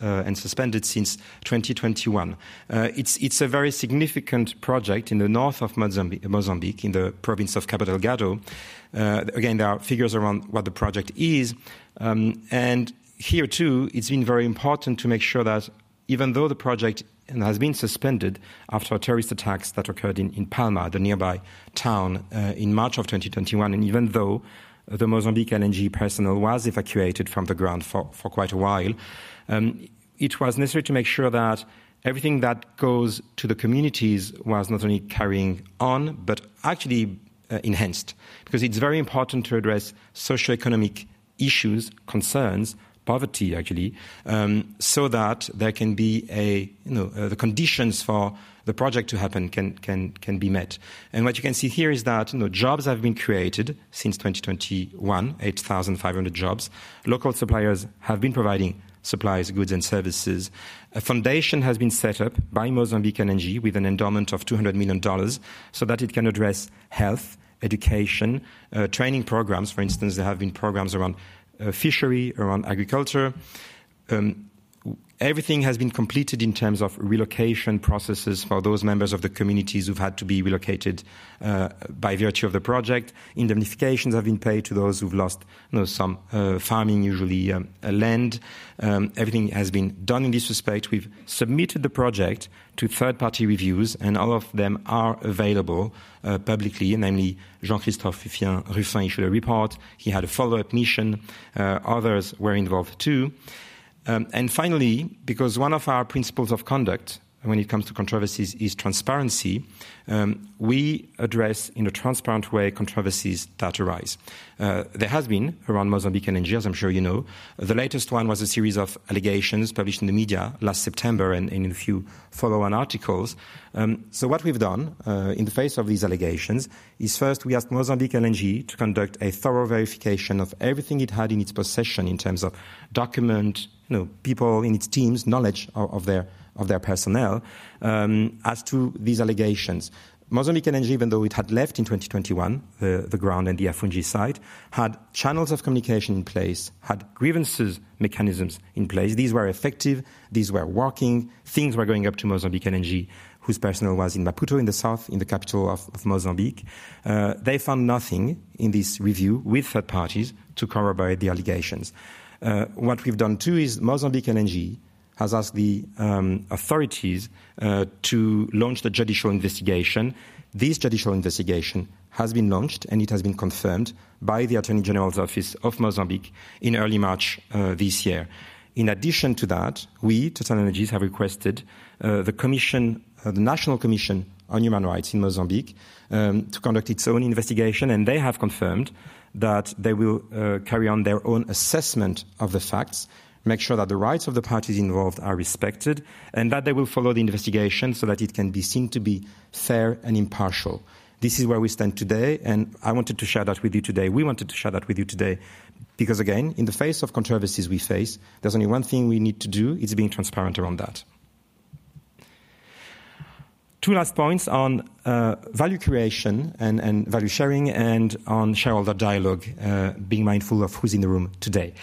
and suspended since 2021. It's a very significant project in the north of Mozambique, in the province of Cabo Delgado. Again, there are figures around what the project is. Here too, it's been very important to make sure that even though the project has been suspended after terrorist attacks that occurred in Palma, the nearby town, in March of 2021, and even though the Mozambique LNG personnel was evacuated from the ground for quite a while, it was necessary to make sure that everything that goes to the communities was not only carrying on, but actually enhanced because it's very important to address socioeconomic issues, concerns, poverty, actually, so that there can be the conditions for the project to happen can be met. What you can see here is that jobs have been created since 2021, 8,500 jobs. Local suppliers have been providing supplies, goods, and services. A foundation has been set up by Mozambique LNG with an endowment of $200 million so that it can address health, education, training programs. For instance, there have been programs around fishery, around agriculture. Everything has been completed in terms of relocation processes for those members of the communities who've had to be relocated by virtue of the project. Indemnifications have been paid to those who've lost some farming, usually land. Everything has been done in this respect. We've submitted the project to third-party reviews, and all of them are available publicly, namely Jean-Christophe Rufin, he should report. He had a follow-up mission. Others were involved too. Finally, because one of our principles of conduct when it comes to controversies is transparency, we address in a transparent way controversies that arise. There has been around Mozambique LNG, as I'm sure you know. The latest one was a series of allegations published in the media last September and in a few follow-on articles. What we have done in the face of these allegations is first, we asked Mozambique LNG to conduct a thorough verification of everything it had in its possession in terms of documents, people in its teams, knowledge of their personnel as to these allegations. Mozambique LNG, even though it had left in 2021 the ground and the Afungi site, had channels of communication in place, had grievance mechanisms in place. These were effective. These were working. Things were going up to Mozambique LNG, whose personnel was in Maputo in the south, in the capital of Mozambique. They found nothing in this review with third parties to corroborate the allegations. What we have done too is Mozambique LNG has asked the authorities to launch the judicial investigation. This judicial investigation has been launched, and it has been confirmed by the Attorney General's Office of Mozambique in early March this year. In addition to that, we TotalEnergies have requested the National Commission on Human Rights in Mozambique to conduct its own investigation. They have confirmed that they will carry on their own assessment of the facts, make sure that the rights of the parties involved are respected, and that they will follow the investigation so that it can be seen to be fair and impartial. This is where we stand today. I wanted to share that with you today. We wanted to share that with you today because, again, in the face of controversies we face, there's only one thing we need to do. It's being transparent around that. Two last points on value creation and value sharing and on shareholder dialogue, being mindful of who's in the room today.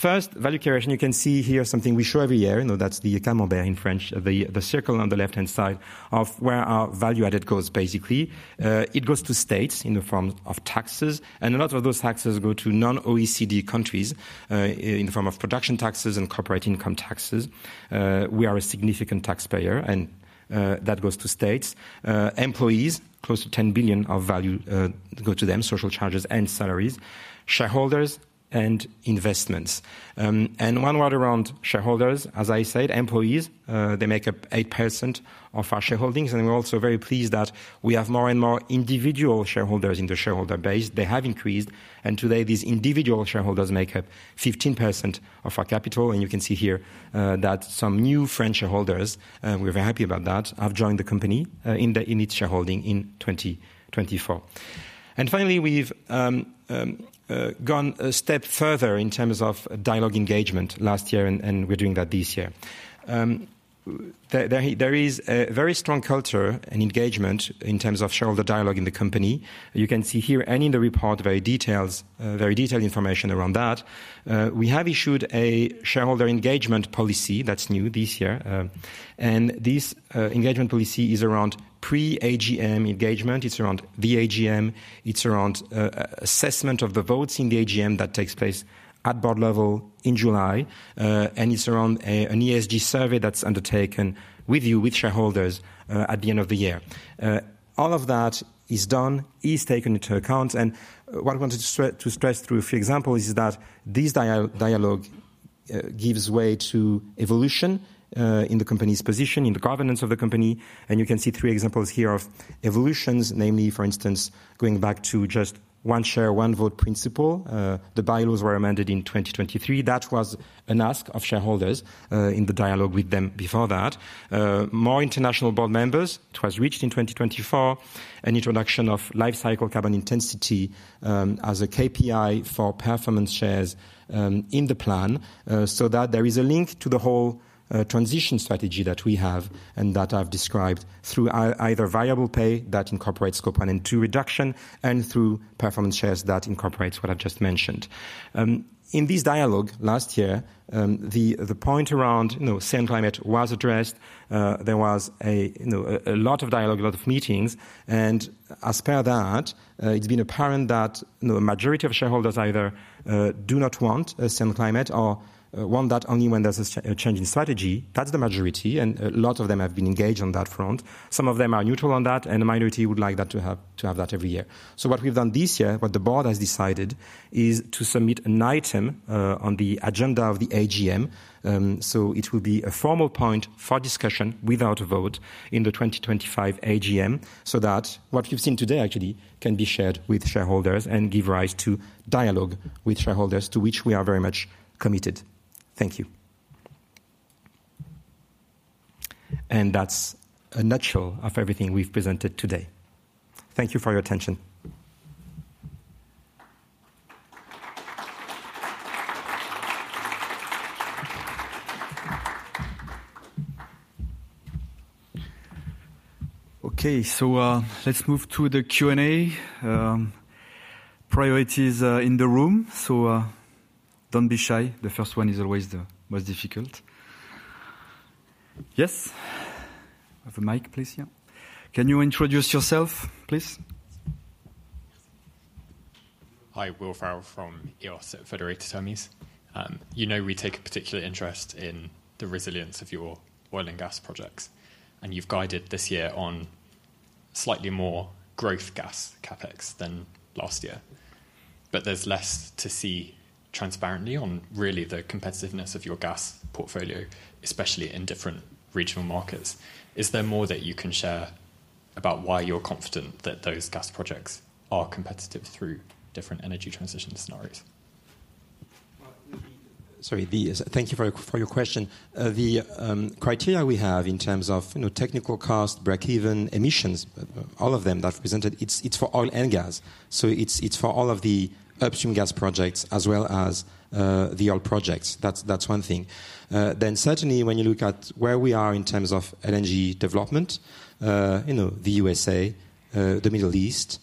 First, value creation, you can see here something we show every year. That's the Camembert in French, the circle on the left-hand side of where our value added goes, basically. It goes to states in the form of taxes. A lot of those taxes go to non-OECD countries in the form of production taxes and corporate income taxes. We are a significant taxpayer, and that goes to states. Employees, close to $10 billion of value go to them, social charges and salaries, shareholders and investments. One word around shareholders, as I said, employees, they make up 8% of our shareholdings. We are also very pleased that we have more and more individual shareholders in the shareholder base. They have increased. Today, these individual shareholders make up 15% of our capital. You can see here that some new French shareholders, we are very happy about that, have joined the company in its shareholding in 2024. Finally, we've gone a step further in terms of dialogue engagement last year, and we're doing that this year. There is a very strong culture and engagement in terms of shareholder dialogue in the company. You can see here and in the report very detailed information around that. We have issued a shareholder engagement policy that's new this year. This engagement policy is around pre-AGM engagement. It's around the AGM. It's around assessment of the votes in the AGM that takes place at board level in July. It's around an ESG survey that's undertaken with you, with shareholders at the end of the year. All of that is done, is taken into account. What I wanted to stress through a few examples is that this dialogue gives way to evolution in the company's position, in the governance of the company. You can see three examples here of evolutions, namely, for instance, going back to just one share, one vote principle. The bylaws were amended in 2023. That was a ask of shareholders in the dialogue with them before that. More international board members. It was reached in 2024, an introduction of lifecycle carbon intensity as a KPI for performance shares in the plan so that there is a link to the whole transition strategy that we have and that I've described through either variable pay that incorporates Scope 1 and 2 reduction and through performance shares that incorporates what I've just mentioned. In this dialogue last year, the point around SAND Climate was addressed. There was a lot of dialogue, a lot of meetings. As per that, it's been apparent that the majority of shareholders either do not want SAND Climate or want that only when there's a change in strategy. That's the majority. A lot of them have been engaged on that front. Some of them are neutral on that. The minority would like that to have that every year. What we've done this year, what the board has decided, is to submit an item on the agenda of the AGM. It will be a formal point for discussion without a vote in the 2025 AGM so that what you've seen today actually can be shared with shareholders and give rise to dialogue with shareholders to which we are very much committed. Thank you. That's a nutshell of everything we've presented today. Thank you for your attention. Okay, let's move to the Q&A. Priorities in the room. Do not be shy. The first one is always the most difficult. Yes? Have a mic, please, yeah? Can you introduce yourself, please? Hi, Will Ferrell from EOS at Federated Hermes. You know we take a particular interest in the resilience of your oil and gas projects. And you've guided this year on slightly more growth gas CapEx than last year. But there's less to see transparently on really the competitiveness of your gas portfolio, especially in different regional markets. Is there more that you can share about why you're confident that those gas projects are competitive through different energy transition scenarios? Sorry, thank you for your question. The criteria we have in terms of technical cost, break-even, emissions, all of them that are presented, it's for oil and gas. So it's for all of the upstream gas projects as well as the oil projects. That's one thing. Certainly, when you look at where we are in terms of LNG development, the USA, the Middle East,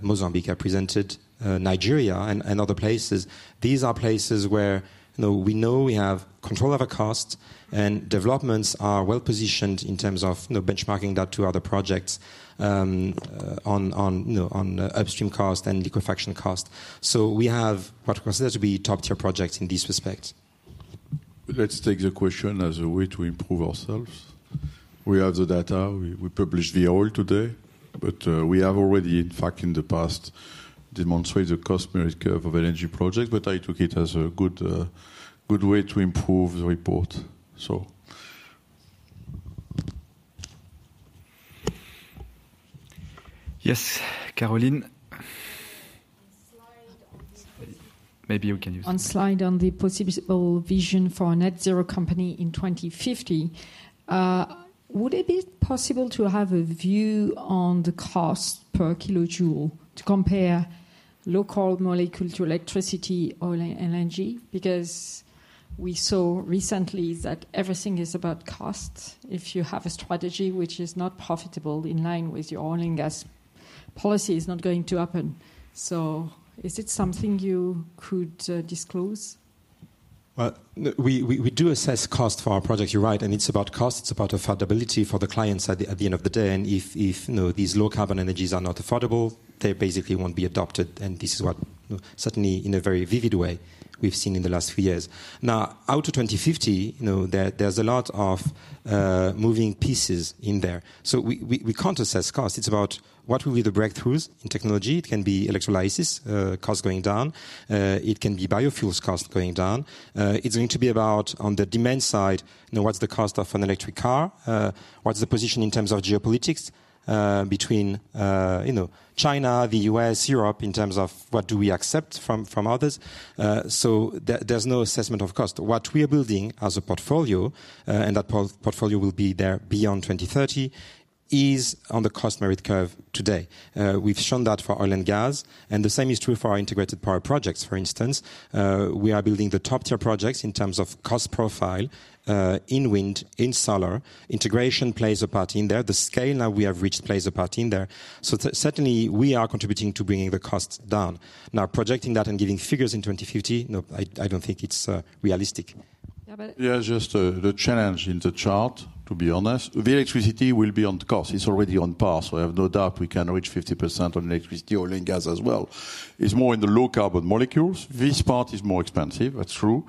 Mozambique are presented, Nigeria, and other places. These are places where we know we have control of our cost and developments are well positioned in terms of benchmarking that to other projects on upstream cost and liquefaction cost. We have what we consider to be top-tier projects in this respect. Let's take the question as a way to improve ourselves. We have the data. We published the oil today. We have already, in fact, in the past, demonstrated the cost merit curve of LNG projects. I took it as a good way to improve the report. Yes, Caroline? Maybe you can use it. On the slide on the possible vision for a net-zero company in 2050, would it be possible to have a view on the cost per kilojoule to compare local molecule to electricity, oil, and LNG? Because we saw recently that everything is about cost. If you have a strategy which is not profitable in line with your oil and gas policy, it is not going to happen. Is it something you could disclose? We do assess cost for our projects, you are right. It is about cost. It is about affordability for the clients at the end of the day. If these low-carbon energies are not affordable, they basically will not be adopted. This is what certainly, in a very vivid way, we have seen in the last few years. Out to 2050, there are a lot of moving pieces in there. We cannot assess cost. It's about what will be the breakthroughs in technology. It can be electrolysis cost going down. It can be biofuels cost going down. It's going to be about, on the demand side, what's the cost of an electric car? What's the position in terms of geopolitics between China, the U.S., Europe in terms of what do we accept from others? There is no assessment of cost. What we are building as a portfolio, and that portfolio will be there beyond 2030, is on the cost merit curve today. We have shown that for oil and gas. The same is true for our integrated power projects, for instance. We are building the top-tier projects in terms of cost profile in wind, in solar. Integration plays a part in there. The scale now we have reached plays a part in there. Certainly, we are contributing to bringing the cost down. Now, projecting that and giving figures in 2050, no, I don't think it's realistic. There's just the challenge in the chart, to be honest. The electricity will be on the cost. It's already on par. I have no doubt we can reach 50% on electricity, oil and gas as well. It's more in the low-carbon molecules. This part is more expensive. That's true.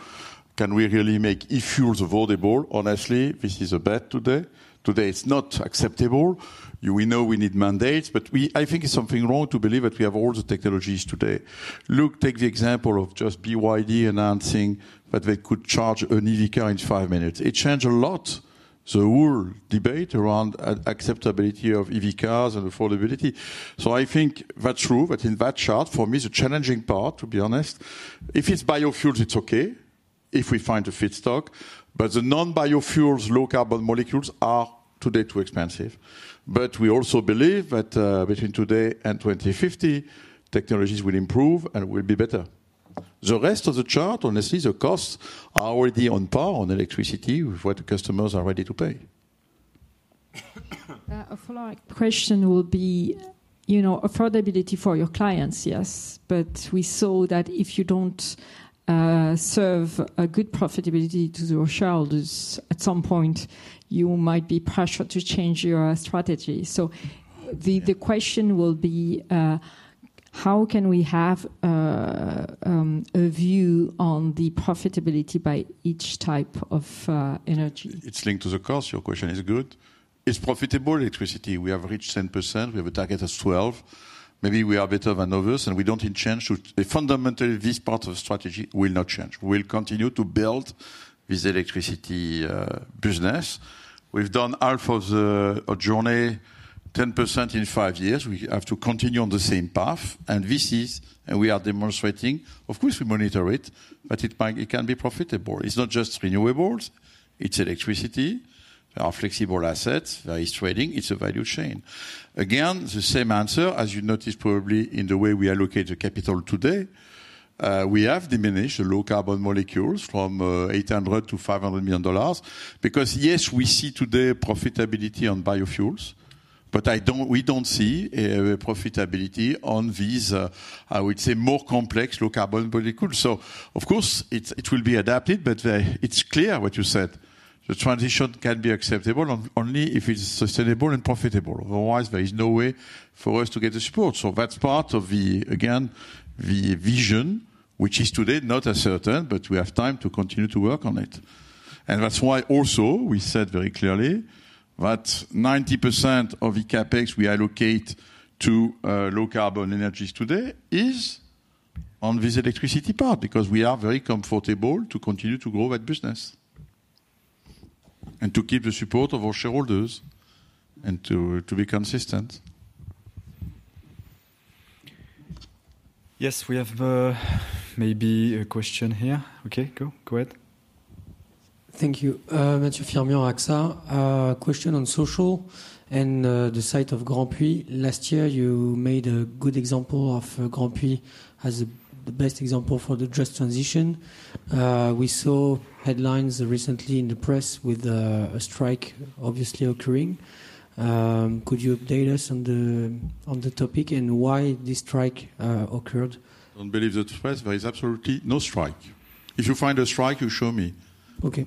Can we really make e-fuels available? Honestly, this is a bet today. Today, it's not acceptable. We know we need mandates. I think it's something wrong to believe that we have all the technologies today. Look, take the example of just BYD announcing that they could charge an EV car in five minutes. It changed a lot, the whole debate around acceptability of EV cars and affordability. I think that's true. In that chart, for me, it's a challenging part, to be honest. If it's biofuels, it's okay if we find a fit stock. The non-biofuels, low-carbon molecules are today too expensive. We also believe that between today and 2050, technologies will improve and will be better. The rest of the chart, honestly, the costs are already on par on electricity with what the customers are ready to pay. A follow-up question will be affordability for your clients, yes. We saw that if you don't serve a good profitability to your shareholders, at some point, you might be pressured to change your strategy. The question will be, how can we have a view on the profitability by each type of energy? It's linked to the cost. Your question is good. It's profitable electricity. We have reached 10%. We have a target of 12%. Maybe we are a bit of a novice. We don't intend to. Fundamentally, this part of the strategy will not change. We will continue to build this electricity business. We've done half of the journey, 10% in five years. We have to continue on the same path. This is, and we are demonstrating, of course, we monitor it, but it can be profitable. It's not just renewables. It's electricity, our flexible assets, various trading. It's a value chain. Again, the same answer, as you noticed probably in the way we allocate the capital today. We have diminished the low-carbon molecules from $800 million to $500 million because, yes, we see today profitability on biofuels. We do not see profitability on these, I would say, more complex low-carbon molecules. Of course, it will be adapted. It is clear what you said. The transition can be acceptable only if it's sustainable and profitable. Otherwise, there is no way for us to get the support. That is part of the, again, the vision, which is today not a certain, but we have time to continue to work on it. That is why also we said very clearly that 90% of the CapEx we allocate to low-carbon energies today is on this electricity part because we are very comfortable to continue to grow that business and to keep the support of our shareholders and to be consistent. Yes, we have maybe a question here. Okay, go ahead. Thank you, Mathieu Fermion, AXA. Question on social and the site of Grandpuits. Last year, you made a good example of Grandpuits as the best example for the just transition. We saw headlines recently in the press with a strike obviously occurring. Could you update us on the topic and why this strike occurred? Don't believe the press. There is absolutely no strike. If you find a strike, you show me.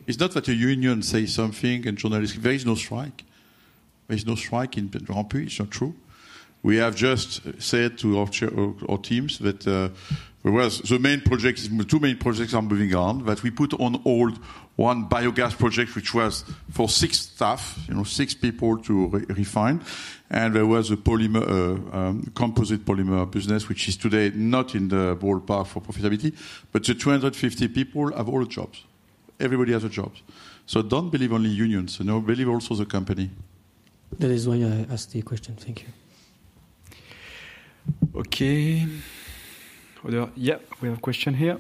It's not that a union says something and journalists, there is no strike. There is no strike in Grandpuits. It's not true. We have just said to our teams that there was the main project, two main projects are moving on. We put on hold one biogas project, which was for six staff, six people to refine. There was a composite polymer business, which is today not in the ballpark for profitability. The 250 people have all jobs. Everybody has a job. Don't believe only unions. Believe also the company. That is why I asked the question. Thank you. Okay. Yeah, we have a question here.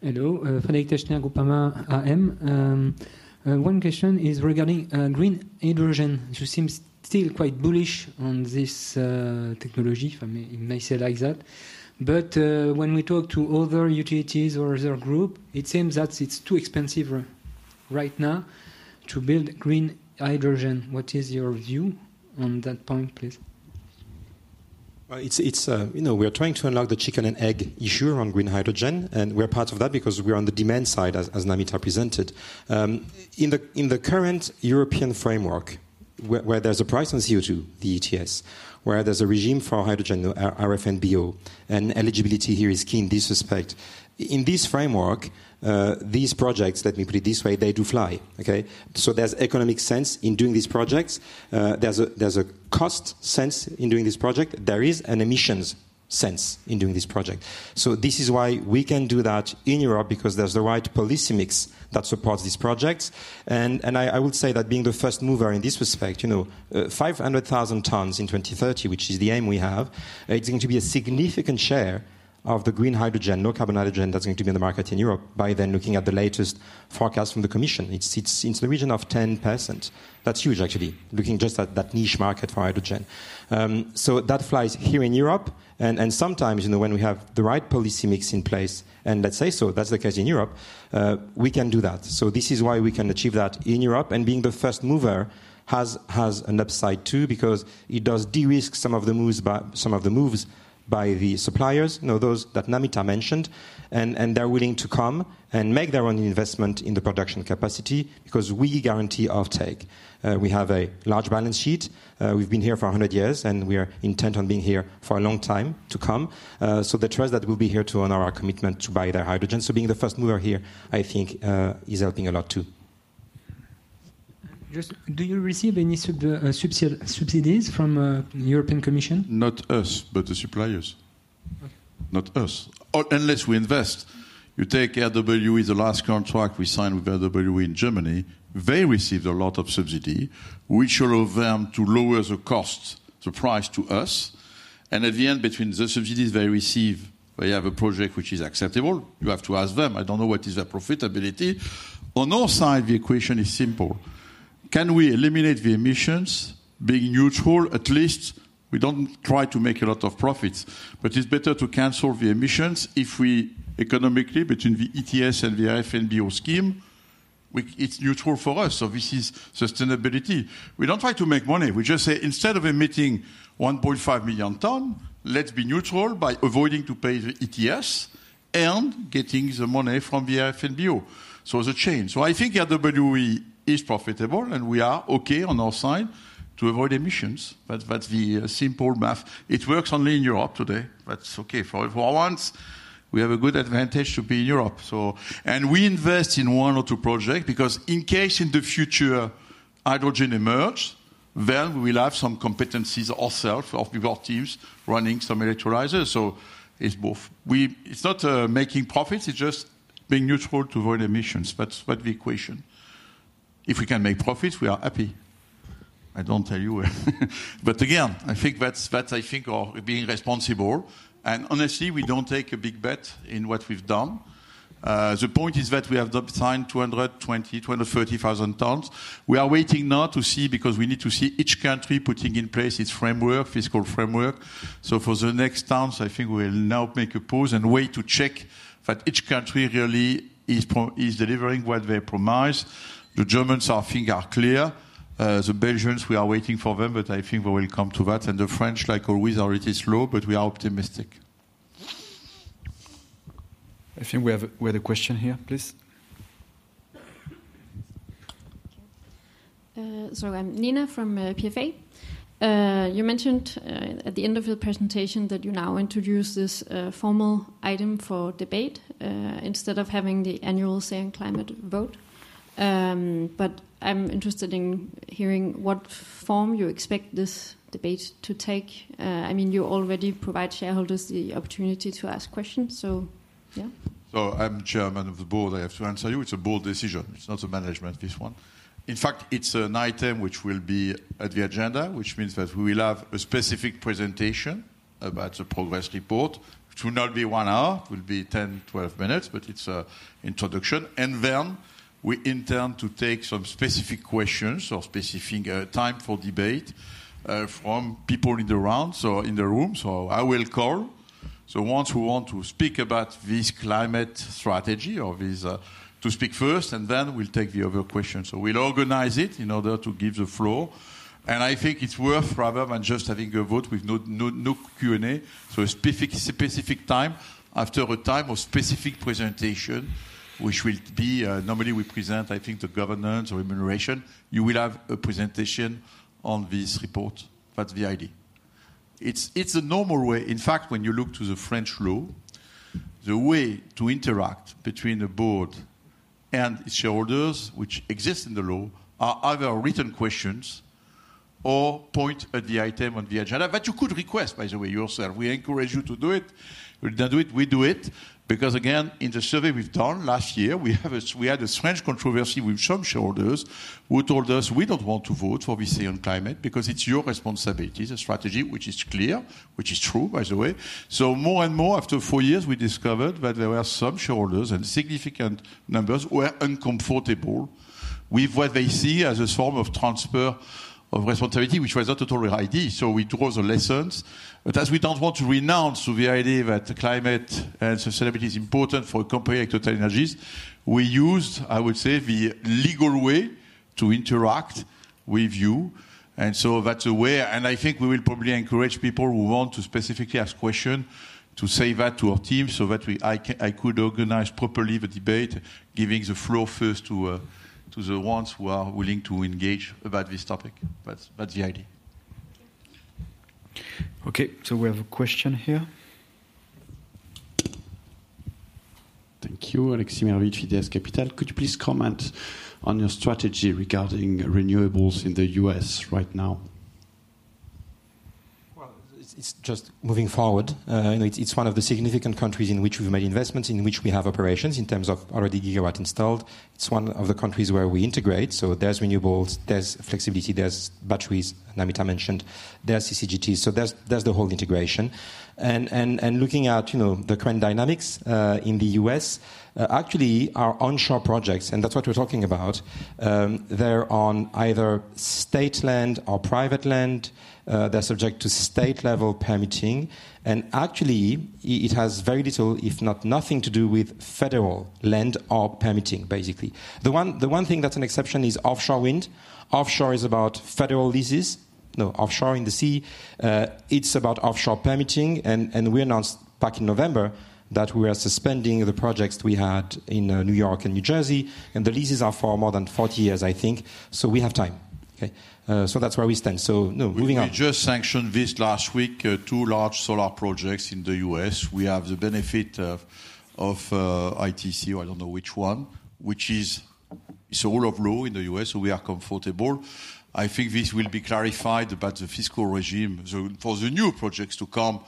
Hello. Frederik Teschner, Groupama AM. One question is regarding green hydrogen. You seem still quite bullish on this technology. I may say like that. When we talk to other utilities or other groups, it seems that it's too expensive right now to build green hydrogen. What is your view on that point, please? We are trying to unlock the chicken-and-egg issue around green hydrogen. We're part of that because we're on the demand side, as Namita presented. In the current European framework, where there's a price on CO2, the ETS, where there's a regime for hydrogen, RFNBO, and eligibility here is key in this respect. In this framework, these projects, let me put it this way, they do fly. There's economic sense in doing these projects. There's a cost sense in doing this project. There is an emissions sense in doing this project. This is why we can do that in Europe because there's the right policy mix that supports these projects. I would say that being the first mover in this respect, 500,000 tons in 2030, which is the aim we have, it's going to be a significant share of the green hydrogen, no-carbon hydrogen that's going to be on the market in Europe by then looking at the latest forecast from the Commission. It's in the region of 10%. That's huge, actually, looking just at that niche market for hydrogen. That flies here in Europe. Sometimes when we have the right policy mix in place, and let's say so that's the case in Europe, we can do that. This is why we can achieve that in Europe. Being the first mover has an upside too because it does de-risk some of the moves by the suppliers, those that Namita mentioned. They are willing to come and make their own investment in the production capacity because we guarantee off-take. We have a large balance sheet. We have been here for 100 years, and we are intent on being here for a long time to come. The trust that we will be here to honor our commitment to buy their hydrogen. Being the first mover here, I think, is helping a lot too. Do you receive any subsidies from the European Commission? Not us, but the suppliers. Not us. Unless we invest. You take Air Products, the last contract we signed with Air Products in Germany. They received a lot of subsidy. We should allow them to lower the cost, the price to us. At the end, between the subsidies they receive, they have a project which is acceptable. You have to ask them. I do not know what is their profitability. On our side, the equation is simple. Can we eliminate the emissions being neutral? At least we don't try to make a lot of profits. It's better to cancel the emissions if we economically, between the ETS and the RFNBO scheme, it's neutral for us. This is sustainability. We don't try to make money. We just say, instead of emitting 1.5 million ton, let's be neutral by avoiding to pay the ETS and getting the money from the RFNBO. It's a chain. I think Air Products is profitable, and we are okay on our side to avoid emissions. That's the simple math. It works only in Europe today. It's okay. For once, we have a good advantage to be in Europe. We invest in one or two projects because in case in the future hydrogen emerges, then we will have some competencies ourselves of our teams running some electrolyzers. It is not making profits. It is just being neutral to avoid emissions. That is the equation. If we can make profits, we are happy. I do not tell you. I think that is our being responsible. Honestly, we do not take a big bet in what we have done. The point is that we have signed 220,000-230,000 tons. We are waiting now to see because we need to see each country putting in place its framework, fiscal framework. For the next times, I think we will now make a pause and wait to check that each country really is delivering what they promise. The Germans, I think, are clear. The Belgians, we are waiting for them, but I think we will come to that. The French, like always, are a little slow, but we are optimistic. I think we have a question here, please. Sorry, I'm Nina from PFA. You mentioned at the end of your presentation that you now introduce this formal item for debate instead of having the annual say and climate vote. I'm interested in hearing what form you expect this debate to take. I mean, you already provide shareholders the opportunity to ask questions. Yeah. I'm chairman of the board. I have to answer you. It's a board decision. It's not a management, this one. In fact, it's an item which will be at the agenda, which means that we will have a specific presentation about the progress report. It will not be one hour. It will be 10, 12 minutes, but it's an introduction. We intend to take some specific questions or specific time for debate from people in the round, so in the room. I will call. Once we want to speak about this climate strategy or to speak first, and then we'll take the other questions. We'll organize it in order to give the floor. I think it's worth rather than just having a vote with no Q&A, so a specific time after a time of specific presentation, which will be normally we present, I think, the governance or remuneration. You will have a presentation on this report. That's the idea. It's a normal way. In fact, when you look to the French law, the way to interact between the board and its shareholders, which exists in the law, are either written questions or point at the item on the agenda. You could request, by the way, yourself. We encourage you to do it. We do not do it. We do it. Because again, in the survey we did last year, we had a strange controversy with some shareholders who told us we do not want to vote for VC on climate because it is your responsibility, the strategy, which is clear, which is true, by the way. More and more, after four years, we discovered that there were some shareholders and significant numbers who were uncomfortable with what they see as a form of transfer of responsibility, which was not a totally right idea. We draw the lessons. As we do not want to renounce the idea that climate and sustainability is important for a company like TotalEnergies, we used, I would say, the legal way to interact with you. That is the way. I think we will probably encourage people who want to specifically ask questions to say that to our team so that I could organize properly the debate, giving the floor first to the ones who are willing to engage about this topic. That is the idea. Okay. We have a question here. Thank you. Alexis Merveille, Fidesz Capital. Could you please comment on your strategy regarding renewables in the US right now? It is just moving forward. It is one of the significant countries in which we have made investments, in which we have operations in terms of already gigawatt installed. It is one of the countries where we integrate. There's renewables, there's flexibility, there's batteries, Namita mentioned, there's CCGTs. There's the whole integration. Looking at the current dynamics in the US, actually, our onshore projects, and that's what we're talking about, they're on either state land or private land. They're subject to state-level permitting. Actually, it has very little, if not nothing, to do with federal land or permitting, basically. The one thing that's an exception is offshore wind. Offshore is about federal leases. No, offshore in the sea. It's about offshore permitting. We announced back in November that we were suspending the projects we had in New York and New Jersey. The leases are for more than 40 years, I think. We have time. That's where we stand. Moving on. We just sanctioned this last week, two large solar projects in the US. We have the benefit of ITC, or I do not know which one, which is a rule of law in the US, so we are comfortable. I think this will be clarified about the fiscal regime. For the new projects to come,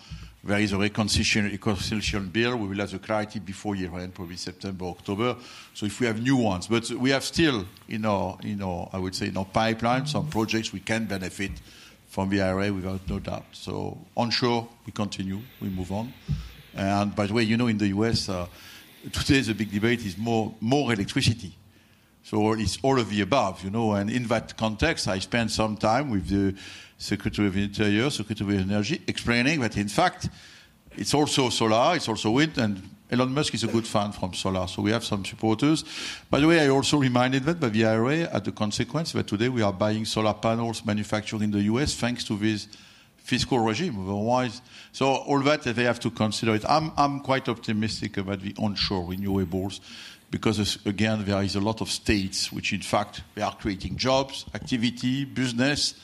there is a reconciliation bill. We will have the clarity before year-end, probably September, October. If we have new ones. We have still, I would say, in our pipeline, some projects we can benefit from the IRA without no doubt. Onshore, we continue. We move on. By the way, in the US, today's big debate is more electricity. It is all of the above. In that context, I spent some time with the Secretary of the Interior, Secretary of Energy, explaining that in fact, it is also solar, it is also wind. Elon Musk is a good fan from solar. We have some supporters. By the way, I also reminded that by the IRA at the consequence that today we are buying solar panels manufactured in the US thanks to this fiscal regime. Otherwise, all that, they have to consider it. I'm quite optimistic about the onshore renewables because, again, there is a lot of states which, in fact, they are creating jobs, activity, business.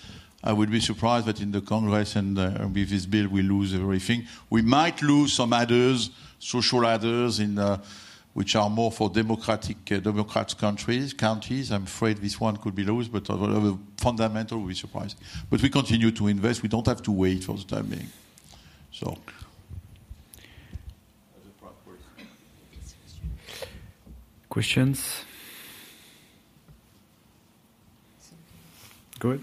I would be surprised that in the Congress and with this bill, we lose everything. We might lose some others, social others, which are more for democratic countries. I'm afraid this one could be lost, but fundamentally, we'll be surprised. We continue to invest. We don't have to wait for the timing. Questions? Go ahead.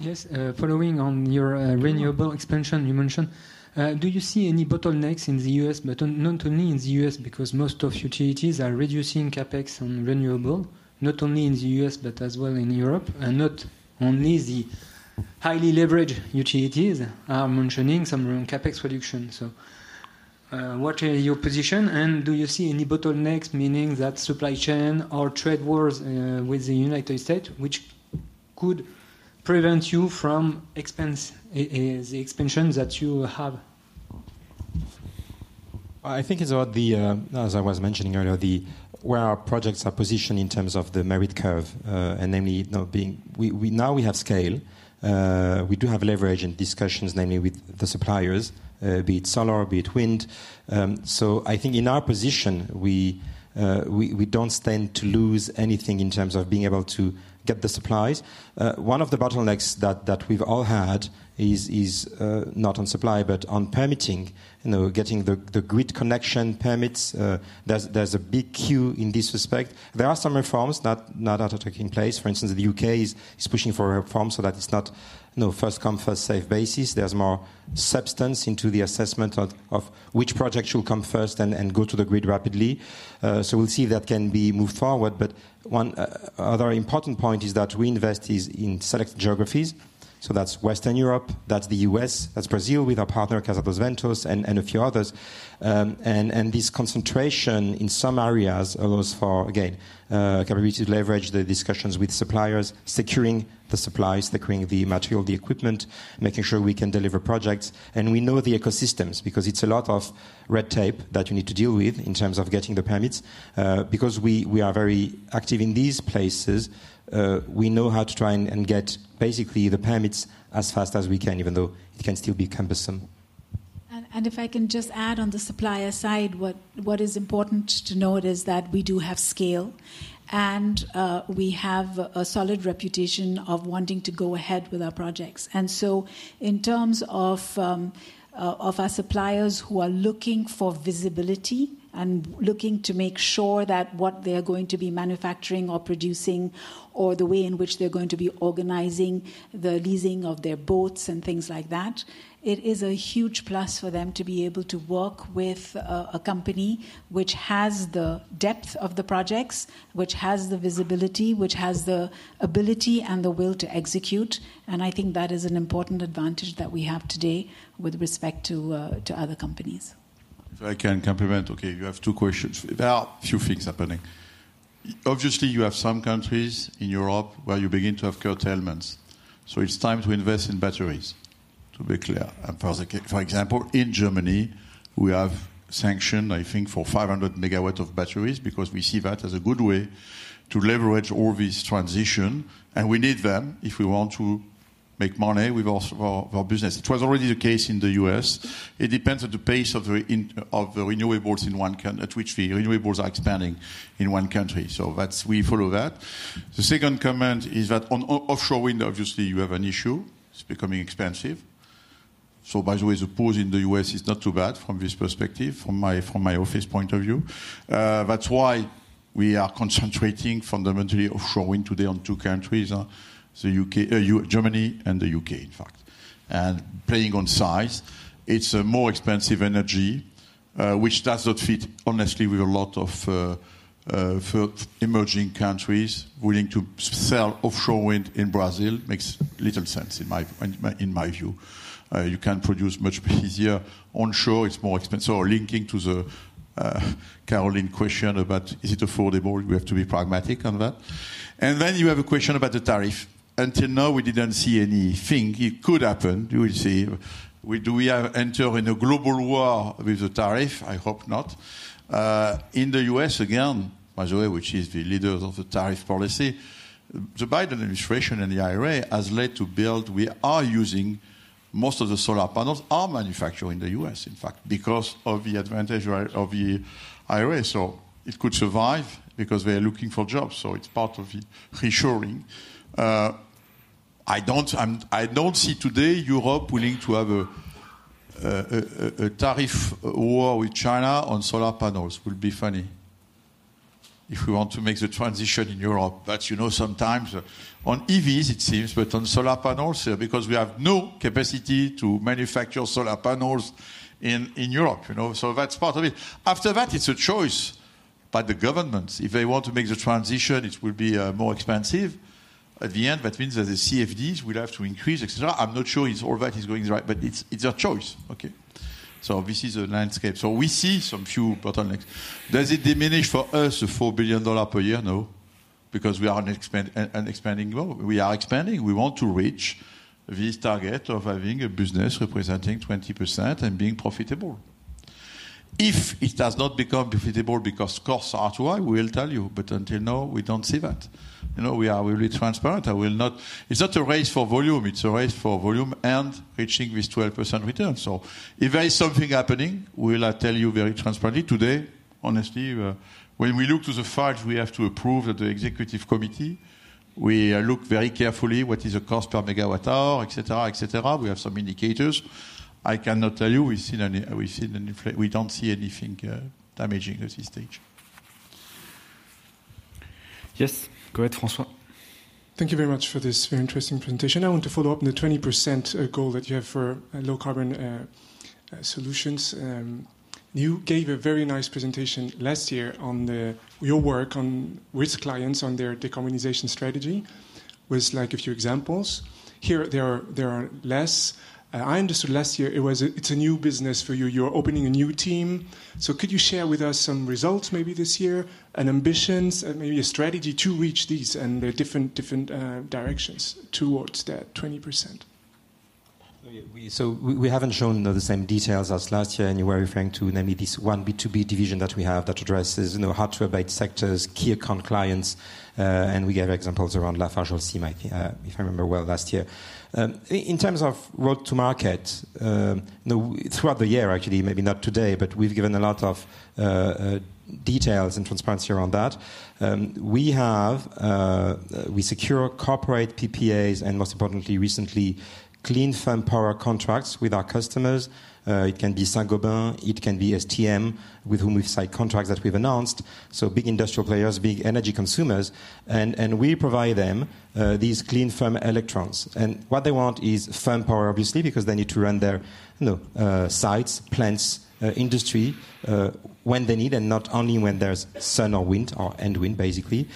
Yes. Following on your renewable expansion you mentioned, do you see any bottlenecks in the US, but not only in the US, because most of utilities are reducing CapEx on renewable, not only in the US, but as well in Europe. Not only the highly leveraged utilities are mentioning some CapEx reduction. What is your position? Do you see any bottlenecks, meaning that supply chain or trade wars with the United States, which could prevent you from the expansion that you have? I think it's about the, as I was mentioning earlier, where our projects are positioned in terms of the merit curve, and namely now we have scale. We do have leverage and discussions, namely with the suppliers, be it solar, be it wind. I think in our position, we don't stand to lose anything in terms of being able to get the supplies. One of the bottlenecks that we've all had is not on supply, but on permitting, getting the grid connection permits. There's a big queue in this respect. There are some reforms that are taking place. For instance, the U.K. is pushing for a reform so that it's not first come, first served basis. There's more substance into the assessment of which projects will come first and go to the grid rapidly. We'll see if that can be moved forward. One other important point is that we invest in select geographies. That's Western Europe, that's the US, that's Brazil with our partner, Casa dos Ventos, and a few others. This concentration in some areas allows for, again, capability to leverage the discussions with suppliers, securing the supplies, securing the material, the equipment, making sure we can deliver projects. We know the ecosystems because it's a lot of red tape that you need to deal with in terms of getting the permits. Because we are very active in these places, we know how to try and get basically the permits as fast as we can, even though it can still be cumbersome. If I can just add on the supplier side, what is important to note is that we do have scale, and we have a solid reputation of wanting to go ahead with our projects. In terms of our suppliers who are looking for visibility and looking to make sure that what they are going to be manufacturing or producing or the way in which they're going to be organizing the leasing of their boats and things like that, it is a huge plus for them to be able to work with a company which has the depth of the projects, which has the visibility, which has the ability and the will to execute. I think that is an important advantage that we have today with respect to other companies. If I can complement, okay, you have two questions. There are a few things happening. Obviously, you have some countries in Europe where you begin to have curtailments. It is time to invest in batteries, to be clear. For example, in Germany, we have sanctioned, I think, for 500 megawatts of batteries because we see that as a good way to leverage all this transition. We need them if we want to make money with our business. It was already the case in the U.S. It depends on the pace of the renewables in one country, which the renewables are expanding in one country. We follow that. The second comment is that on offshore wind, obviously, you have an issue. It's becoming expensive. By the way, the pause in the U.S. is not too bad from this perspective, from my office point of view. That's why we are concentrating fundamentally offshore wind today on two countries, Germany and the U.K., in fact, and playing on size. It's a more expensive energy, which does not fit, honestly, with a lot of emerging countries willing to sell offshore wind in Brazil. Makes little sense in my view. You can produce much easier onshore. It's more expensive. Linking to the Caroline question about is it affordable, we have to be pragmatic on that. You have a question about the tariff. Until now, we didn't see anything. It could happen. You will see. Do we enter in a global war with the tariff? I hope not. In the US, again, by the way, which is the leader of the tariff policy, the Biden administration and the IRA has led to build. We are using most of the solar panels are manufactured in the US, in fact, because of the advantage of the IRA. It could survive because they are looking for jobs. It is part of reassuring. I do not see today Europe willing to have a tariff war with China on solar panels. It would be funny if we want to make the transition in Europe. You know, sometimes on EVs, it seems, but on solar panels, because we have no capacity to manufacture solar panels in Europe. That is part of it. After that, it is a choice by the governments. If they want to make the transition, it will be more expensive. At the end, that means that the CFDs will have to increase, etc. I am not sure all that is going right, but it is a choice. Okay. This is the landscape. We see some few bottlenecks. Does it diminish for us the $4 billion per year? No. Because we are an expanding globe. We are expanding. We want to reach this target of having a business representing 20% and being profitable. If it does not become profitable because costs are too high, we will tell you. Until now, we do not see that. We are really transparent. It is not a race for volume. It is a race for volume and reaching this 12% return. If there is something happening, we will tell you very transparently. Today, honestly, when we look to the facts, we have to approve that the executive committee, we look very carefully at what is the cost per megawatt hour, etc., etc. We have some indicators. I cannot tell you. We do not see anything damaging at this stage. Yes. Go ahead, François. Thank you very much for this very interesting presentation. I want to follow up on the 20% goal that you have for low carbon solutions. You gave a very nice presentation last year on your work with clients on their decarbonization strategy with a few examples. Here, there are less. I understood last year it's a new business for you. You're opening a new team. Could you share with us some results maybe this year, and ambitions, and maybe a strategy to reach these and the different directions towards that 20%? We haven't shown the same details as last year. You were referring to namely this one B2B division that we have that addresses hard-to-abate sectors, key account clients. We gave examples around Lafarge or CIMA, if I remember well, last year. In terms of road to market, throughout the year, actually, maybe not today, but we've given a lot of details and transparency around that. We secure corporate PPAs and, most importantly, recently, clean firm power contracts with our customers. It can be Saint-Gobain. It can be STMicroelectronics, with whom we've signed contracts that we've announced. Big industrial players, big energy consumers. We provide them these clean firm electrons. What they want is firm power, obviously, because they need to run their sites, plants, industry when they need and not only when there's sun or wind or end wind, basically.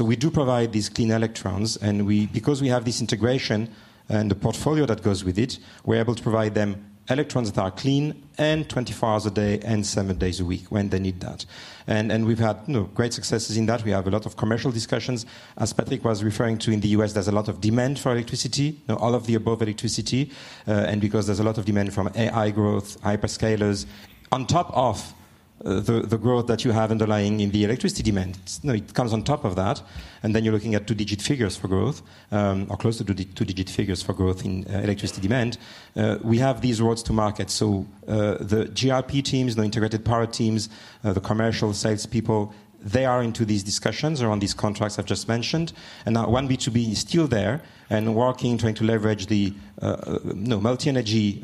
We do provide these clean electrons. Because we have this integration and the portfolio that goes with it, we're able to provide them electrons that are clean and 24 hours a day and seven days a week when they need that. We've had great successes in that. We have a lot of commercial discussions. As Patrick was referring to, in the US, there's a lot of demand for electricity, all of the above electricity. Because there's a lot of demand from AI growth, hyperscalers. On top of the growth that you have underlying in the electricity demand, it comes on top of that. You're looking at two-digit figures for growth or close to two-digit figures for growth in electricity demand. We have these roads to market. The GRP teams, the integrated power teams, the commercial salespeople, they are into these discussions around these contracts I've just mentioned. Now one B2B is still there and working, trying to leverage the multi-energy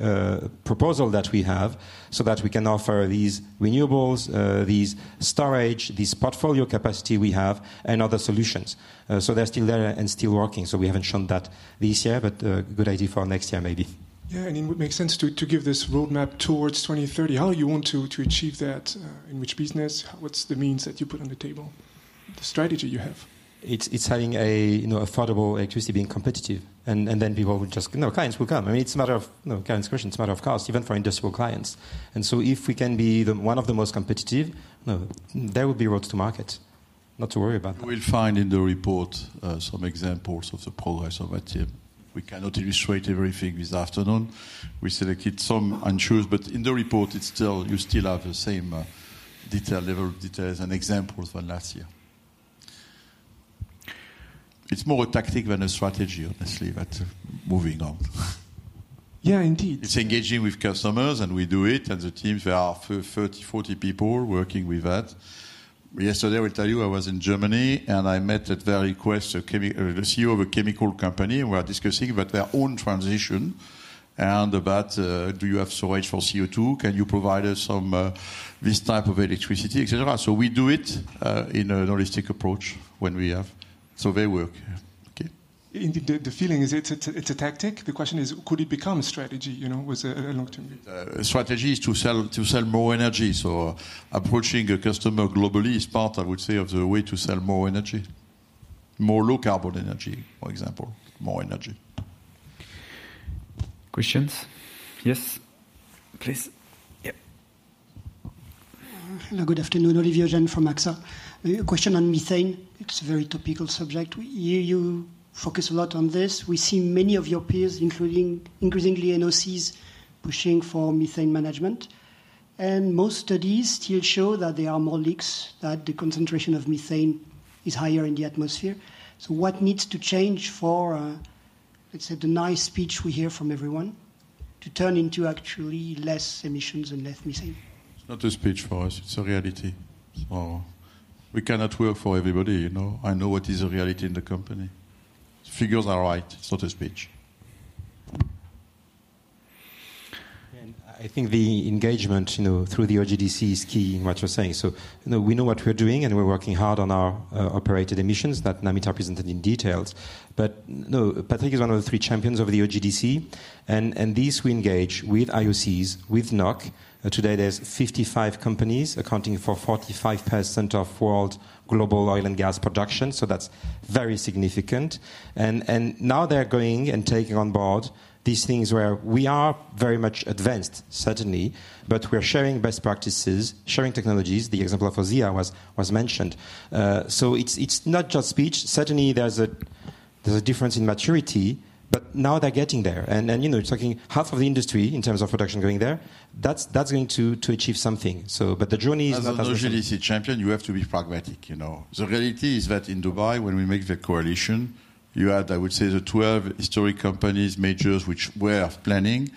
proposal that we have so that we can offer these renewables, these storage, this portfolio capacity we have and other solutions. They're still there and still working. We haven't shown that this year, but a good idea for next year maybe. Yeah. It would make sense to give this roadmap towards 2030. How do you want to achieve that? In which business? What's the means that you put on the table? The strategy you have? It's having affordable electricity being competitive. People will just, clients will come. I mean, it's a matter of, Karen's question, it's a matter of cost, even for industrial clients. If we can be one of the most competitive, there will be roads to market. Not to worry about that. You'll find in the report some examples of the progress of my team. We cannot illustrate everything this afternoon. We selected some unsures, but in the report, you still have the same level of details and examples from last year. It's more a tactic than a strategy, honestly, but moving on. Yeah, indeed. It's engaging with customers, and we do it. The teams, there are 30-40 people working with that. Yesterday, I will tell you, I was in Germany, and I met at their request, the CEO of a chemical company, and we are discussing about their own transition and about, do you have storage for CO2? Can you provide us some of this type of electricity, etc.? We do it in a holistic approach when we have. They work. Okay. The feeling is it's a tactic. The question is, could it become a strategy with a long-term view? Strategy is to sell more energy. Approaching a customer globally is part, I would say, of the way to sell more energy, more low carbon energy, for example, more energy. Questions? Yes, please. Hello, good afternoon. Olivier Jean from AXA. Question on methane. It's a very topical subject. You focus a lot on this. We see many of your peers, including increasingly NOCs, pushing for methane management. Most studies still show that there are more leaks, that the concentration of methane is higher in the atmosphere. What needs to change for, let's say, the nice speech we hear from everyone to turn into actually less emissions and less methane? It's not a speech for us. It's a reality. We cannot work for everybody. I know what is a reality in the company. The figures are right. It's not a speech. I think the engagement through the OGDC is key in what you're saying. We know what we're doing, and we're working hard on our operated emissions that Namita presented in details. Patrick is one of the three champions of the OGDC. We engage with IOCs, with NOC. Today, there are 55 companies accounting for 45% of world global oil and gas production. That's very significant. Now they're going and taking on board these things where we are very much advanced, certainly, but we're sharing best practices, sharing technologies. The example of OSEA was mentioned. It is not just speech. Certainly, there's a difference in maturity, but now they're getting there. Talking half of the industry in terms of production going there, that's going to achieve something. The journey is not as easy. As an OGDC champion, you have to be pragmatic. The reality is that in Dubai, when we make the coalition, you had, I would say, the 12 historic companies, majors, which were planning.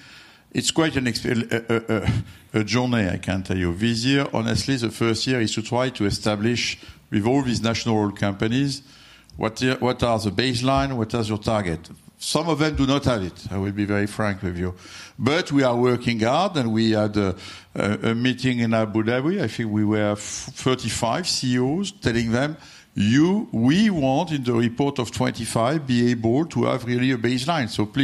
It is quite a journey, I can tell you. This year, honestly, the first year is to try to establish, with all these national companies, what are the baseline, what is your target. Some of them do not have it, I will be very frank with you. We are working hard, and we had a meeting in Abu Dhabi. I think we were 35 CEOs telling them, we want in the report of 2025, be able to have really a baseline. It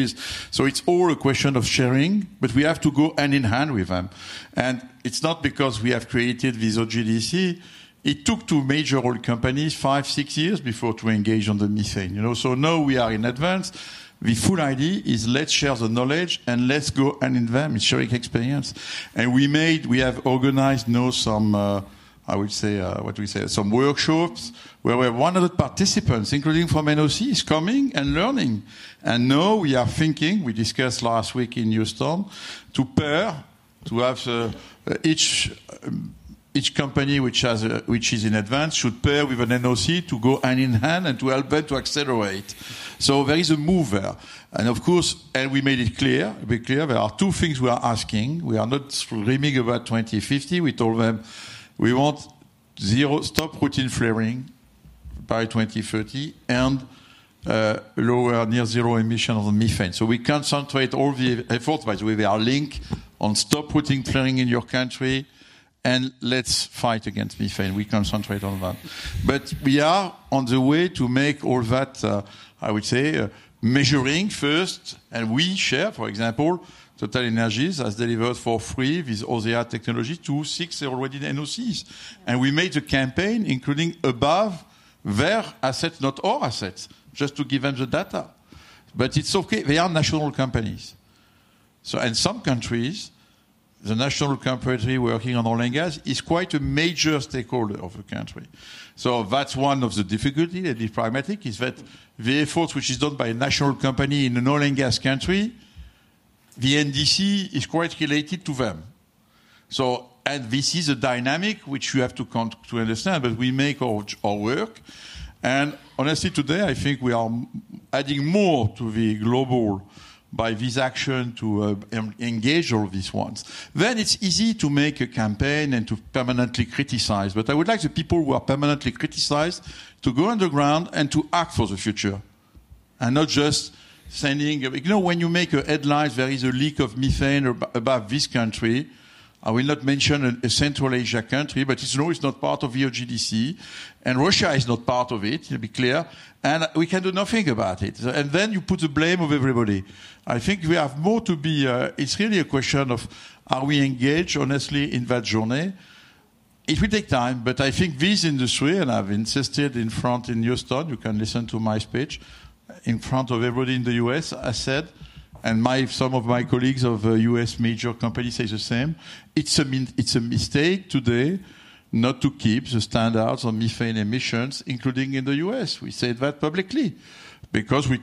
is all a question of sharing, but we have to go hand in hand with them. It is not because we have created this OGDC. It took two major oil companies five-six years before to engage on the methane. Now we are in advance. The full idea is let's share the knowledge and let's go hand in hand with sharing experience. We have organized now some, I would say, what do we say, some workshops where we have 100 participants, including from NOC, coming and learning. Now we are thinking, we discussed last week in Euston, to pair, to have each company which is in advance should pair with an NOC to go hand in hand and to help them to accelerate. There is a move there. Of course, we made it clear, there are two things we are asking. We are not dreaming about 2050. We told them we want zero stop routine flaring by 2030 and lower near zero emission of methane. We concentrate all the efforts, by the way, they are linked on stop routine flaring in your country. Let's fight against methane. We concentrate on that. We are on the way to make all that, I would say, measuring first. We share, for example, TotalEnergies has delivered for free with OSEA technology to six already NOCs. We made a campaign including above their assets, not our assets, just to give them the data. It is okay. They are national companies. In some countries, the national company working on oil and gas is quite a major stakeholder of the country. That is one of the difficulties. If pragmatic, the effort which is done by a national company in an oil and gas country, the NDC is quite related to them. This is a dynamic which you have to understand, but we make our work. Honestly, today, I think we are adding more to the global by this action to engage all these ones. It is easy to make a campaign and to permanently criticize. I would like the people who are permanently criticized to go underground and to act for the future and not just sending. When you make a headline, there is a leak of methane above this country. I will not mention a Central Asia country, but it's not part of the OGDC. Russia is not part of it, to be clear. We can do nothing about it. You put the blame on everybody. I think we have more to be. It's really a question of, are we engaged honestly in that journey? It will take time. I think this industry, and I've insisted in front in Houston, you can listen to my speech in front of everybody in the US, I said, and some of my colleagues of US major companies say the same. It's a mistake today not to keep the standards on methane emissions, including in the US. We say that publicly because we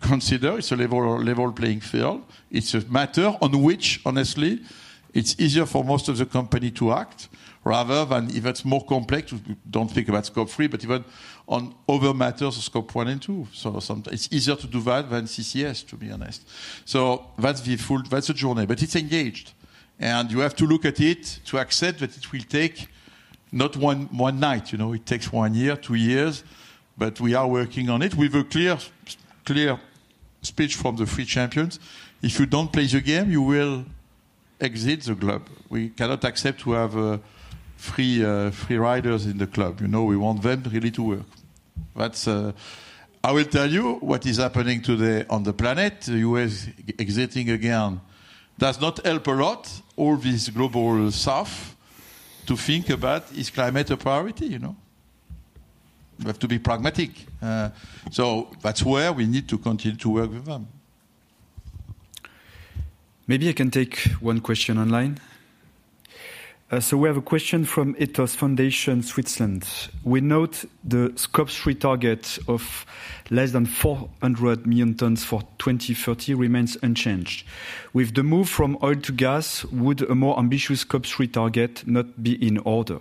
consider it's a level playing field. It's a matter on which, honestly, it's easier for most of the company to act rather than if it's more complex, don't think about scope three, but even on other matters of scope one and two. It's easier to do that than CCS, to be honest. That's the journey. It's engaged. You have to look at it to accept that it will take not one night. It takes one year, two years. We are working on it with a clear speech from the three champions. If you don't play your game, you will exit the club. We cannot accept to have free riders in the club. We want them really to work. I will tell you what is happening today on the planet. The US exiting again does not help a lot. All this global stuff to think about is climate a priority. You have to be pragmatic. That is where we need to continue to work with them. Maybe I can take one question online. We have a question from Ethos Foundation, Switzerland. We note the scope 3 target of less than 400 million tons for 2030 remains unchanged. With the move from oil to gas, would a more ambitious scope 3 target not be in order?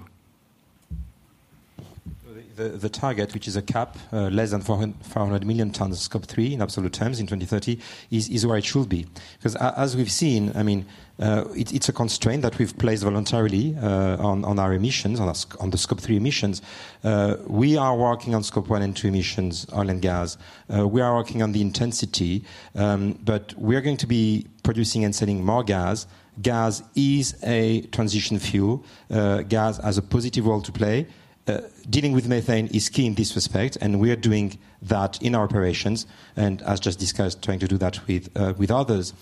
The target, which is a cap, less than 400 million tons of scope 3 in absolute terms in 2030, is where it should be. Because as we have seen, I mean, it is a constraint that we have placed voluntarily on our emissions, on the scope 3 emissions. We are working on scope 1 and 2 emissions, oil and gas. We are working on the intensity. We are going to be producing and selling more gas. Gas is a transition fuel. Gas has a positive role to play. Dealing with methane is key in this respect. We are doing that in our operations, and as just discussed, trying to do that with others.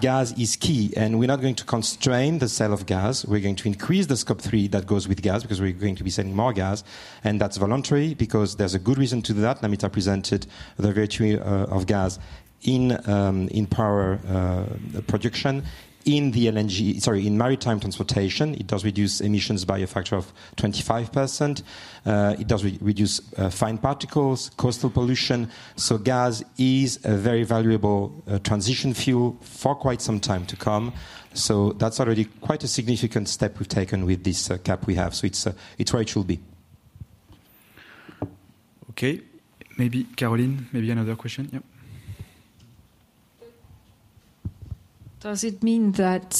Gas is key. We are not going to constrain the sale of gas. We are going to increase the scope three that goes with gas because we are going to be selling more gas. That is voluntary because there is a good reason to do that. Namita presented the virtue of gas in power production, in the LNG, sorry, in maritime transportation. It does reduce emissions by a factor of 25%. It does reduce fine particles, coastal pollution. Gas is a very valuable transition fuel for quite some time to come. That is already quite a significant step we have taken with this cap we have. It is where it should be. Okay. Maybe Caroline, maybe another question. Yep. Does it mean that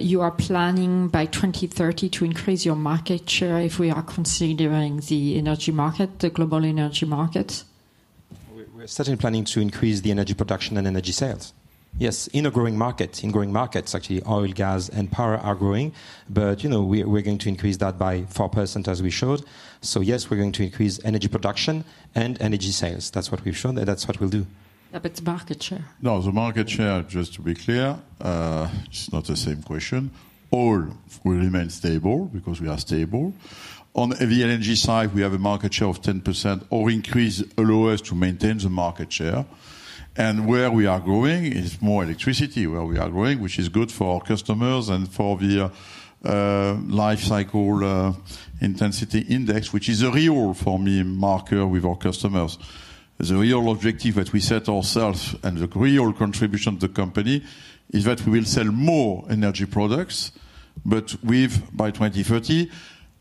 you are planning by 2030 to increase your market share if we are considering the energy market, the global energy market? We're certainly planning to increase the energy production and energy sales. Yes, in a growing market, in growing markets, actually, oil, gas, and power are growing. We are going to increase that by 4% as we showed. Yes, we are going to increase energy production and energy sales. That's what we've shown, and that's what we'll do. Market share? No, the market share, just to be clear, it's not the same question. Oil will remain stable because we are stable. On the energy side, we have a market share of 10% or increase allow us to maintain the market share. Where we are growing is more electricity, where we are growing, which is good for our customers and for the life cycle intensity index, which is a real, for me, marker with our customers. The real objective that we set ourselves and the real contribution to the company is that we will sell more energy products, but with, by 2030,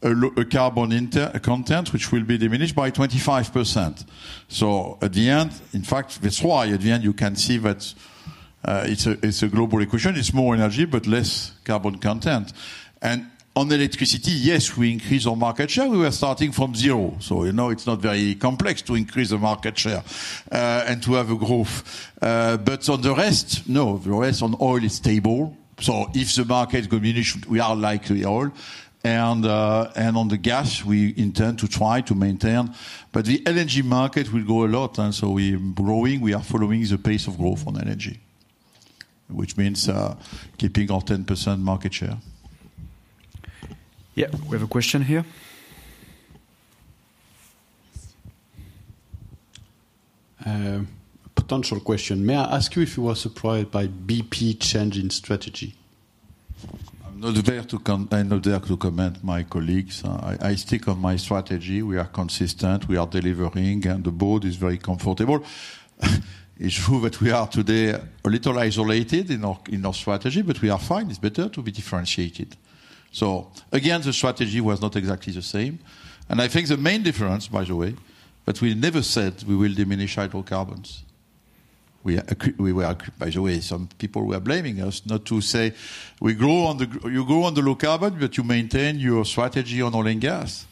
a carbon content which will be diminished by 25%. At the end, in fact, that is why at the end you can see that it is a global equation. It is more energy, but less carbon content. On electricity, yes, we increase our market share. We were starting from zero, so it is not very complex to increase the market share and to have a growth. On the rest, no, the rest on oil is stable. If the market diminishes, we are likely oil. On the gas, we intend to try to maintain. The energy market will grow a lot. We are growing. We are following the pace of growth on energy, which means keeping our 10% market share. Yeah, we have a question here. Potential question. May I ask you if you were surprised by BP changing strategy? I'm not there to comment. I'm not there to comment, my colleagues. I stick on my strategy. We are consistent. We are delivering. The board is very comfortable. It is true that we are today a little isolated in our strategy, but we are fine. It is better to be differentiated. Again, the strategy was not exactly the same. I think the main difference, by the way, but we never said we will diminish hydrocarbons. We were, by the way, some people were blaming us not to say we grow on the low carbon, but you maintain your strategy on oil and gas.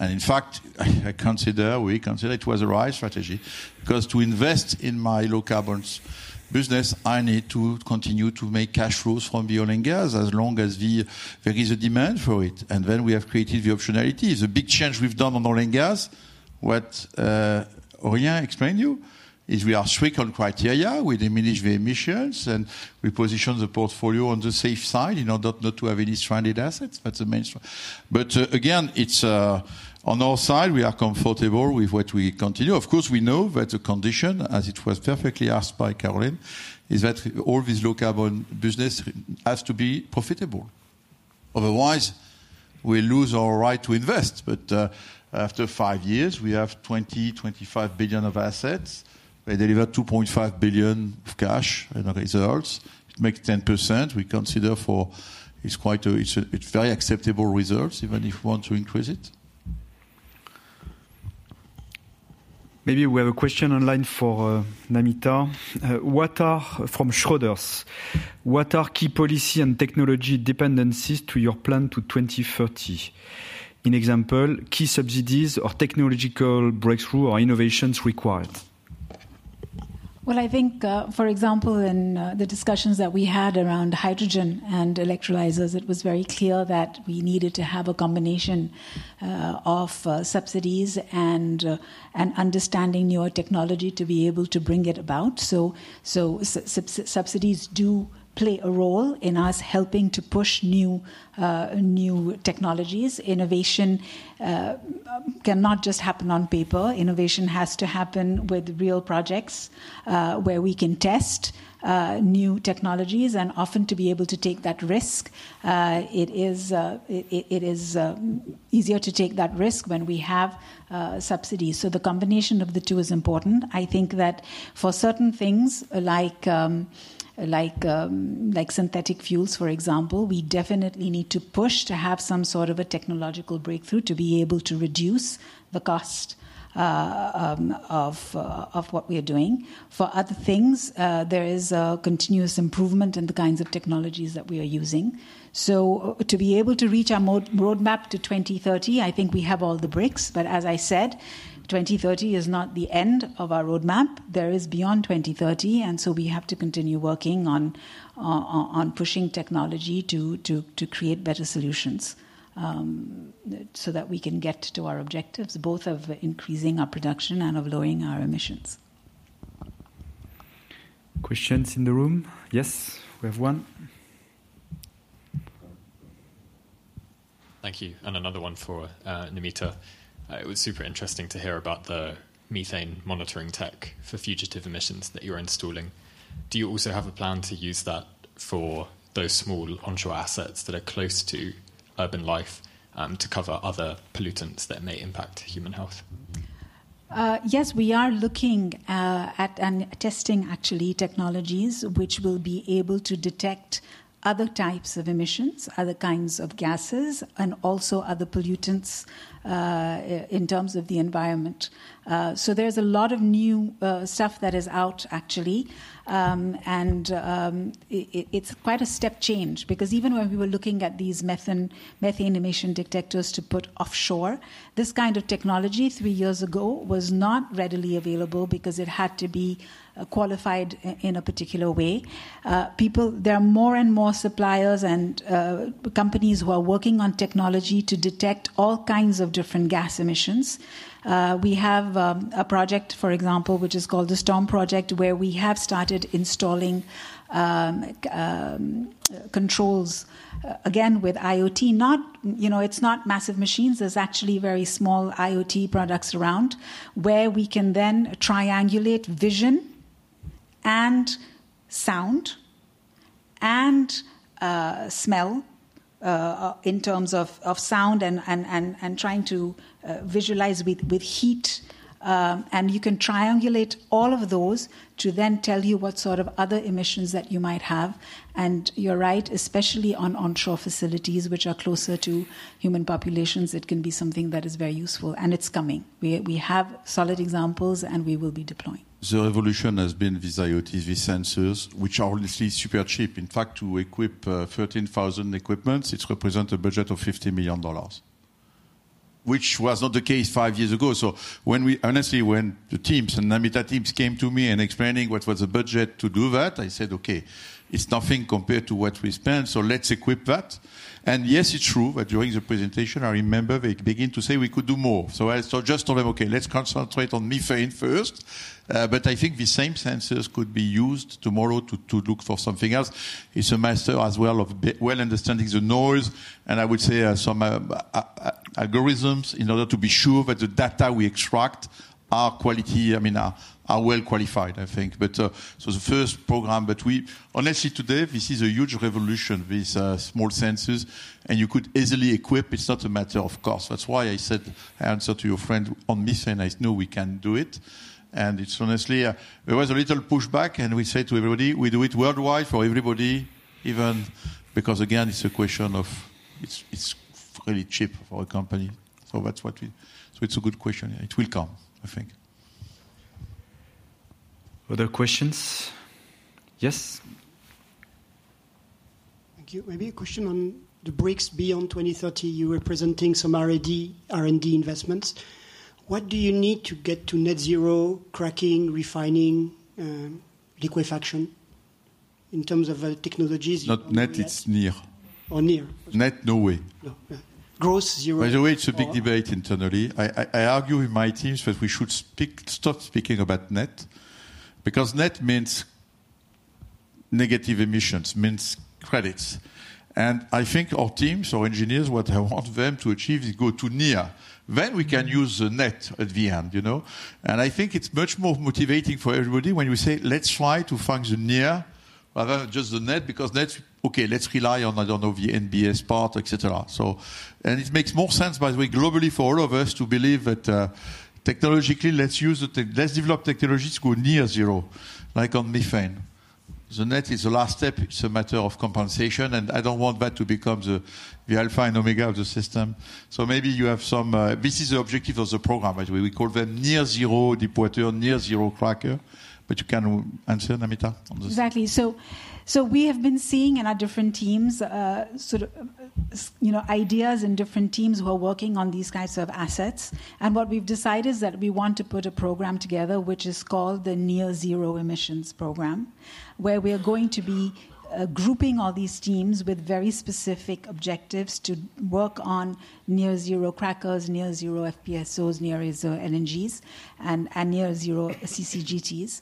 In fact, I consider, we consider it was a right strategy because to invest in my low carbon business, I need to continue to make cash flows from the oil and gas as long as there is a demand for it. Then we have created the optionality. The big change we've done on oil and gas, what Aurelien explained to you, is we are stricken criteria. We diminish the emissions and we position the portfolio on the safe side in order not to have any stranded assets. That's the mainstream. Again, on our side, we are comfortable with what we continue. Of course, we know that the condition, as it was perfectly asked by Caroline, is that all this low carbon business has to be profitable. Otherwise, we lose our right to invest. After five years, we have $20 billion-$25 billion of assets. We deliver $2.5 billion of cash and results. It makes 10%. We consider for it's quite a very acceptable results even if we want to increase it. Maybe we have a question online for Namita. From Schroders, what are key policy and technology dependencies to your plan to 2030? In example, key subsidies or technological breakthrough or innovations required? I think, for example, in the discussions that we had around hydrogen and electrolyzers, it was very clear that we needed to have a combination of subsidies and understanding newer technology to be able to bring it about. Subsidies do play a role in us helping to push new technologies. Innovation cannot just happen on paper. Innovation has to happen with real projects where we can test new technologies and often to be able to take that risk. It is easier to take that risk when we have subsidies. The combination of the two is important. I think that for certain things like synthetic fuels, for example, we definitely need to push to have some sort of a technological breakthrough to be able to reduce the cost of what we are doing. For other things, there is a continuous improvement in the kinds of technologies that we are using. To be able to reach our roadmap to 2030, I think we have all the bricks. As I said, 2030 is not the end of our roadmap. There is beyond 2030. We have to continue working on pushing technology to create better solutions so that we can get to our objectives, both of increasing our production and of lowering our emissions. Questions in the room? Yes, we have one. Thank you. Another one for Namita. It was super interesting to hear about the methane monitoring tech for fugitive emissions that you are installing. Do you also have a plan to use that for those small onshore assets that are close to urban life to cover other pollutants that may impact human health? Yes, we are looking at and testing, actually, technologies which will be able to detect other types of emissions, other kinds of gases, and also other pollutants in terms of the environment. There is a lot of new stuff that is out, actually. It is quite a step change because even when we were looking at these methane emission detectors to put offshore, this kind of technology three years ago was not readily available because it had to be qualified in a particular way. There are more and more suppliers and companies who are working on technology to detect all kinds of different gas emissions. We have a project, for example, which is called the Storm Project, where we have started installing controls, again, with IoT. It is not massive machines. There are actually very small IoT products around where we can then triangulate vision and sound and smell in terms of sound and trying to visualize with heat. You can triangulate all of those to then tell you what sort of other emissions that you might have. You're right, especially on onshore facilities, which are closer to human populations, it can be something that is very useful. It is coming. We have solid examples, and we will be deploying. The evolution has been with IoT, with sensors, which are obviously super cheap. In fact, to equip 13,000 equipments, it represents a budget of $50 million, which was not the case five years ago. Honestly, when the teams and Namita teams came to me and explained what was the budget to do that, I said, "Okay, it's nothing compared to what we spend, so let's equip that." Yes, it is true that during the presentation, I remember they began to say we could do more. I just told them, "Okay, let's concentrate on methane first." I think the same sensors could be used tomorrow to look for something else. It's a matter as well of well understanding the noise. I would say some algorithms in order to be sure that the data we extract are quality, I mean, are well qualified, I think. The first program, honestly, today, this is a huge revolution with small sensors. You could easily equip. It's not a matter of cost. That's why I said, "I answer to your friend on methane. I know we can do it." Honestly, there was a little pushback. We say to everybody, "We do it worldwide for everybody," even because, again, it's a question of it's really cheap for a company. That's what we so it's a good question. It will come, I think. Other questions? Yes. Thank you. Maybe a question on the bricks beyond 2030. You were presenting some R&D investments. What do you need to get to net zero, cracking, refining, liquefaction in terms of technologies? Not net, it's near. Or near? Net, no way. Gross, zero? By the way, it's a big debate internally. I argue with my teams that we should stop speaking about net because net means negative emissions, means credits. I think our teams, our engineers, what I want them to achieve is go to near. We can use the net at the end. I think it's much more motivating for everybody when we say, "Let's try to function near rather than just the net because net, okay, let's rely on, I don't know, the NBS part, etc." It makes more sense, by the way, globally for all of us to believe that technologically, let's develop technologies to go near zero, like on methane. The net is the last step. It's a matter of compensation. I don't want that to become the alpha and omega of the system. Maybe you have some, this is the objective of the program. We call them near zero, deploy to a near zero cracker. You can answer, Namita. Exactly. We have been seeing in our different teams ideas in different teams who are working on these kinds of assets. What we've decided is that we want to put a program together, which is called the Near Zero Emissions Program, where we are going to be grouping all these teams with very specific objectives to work on near zero crackers, near zero FPSOs, near zero LNGs, and near zero CCGTs.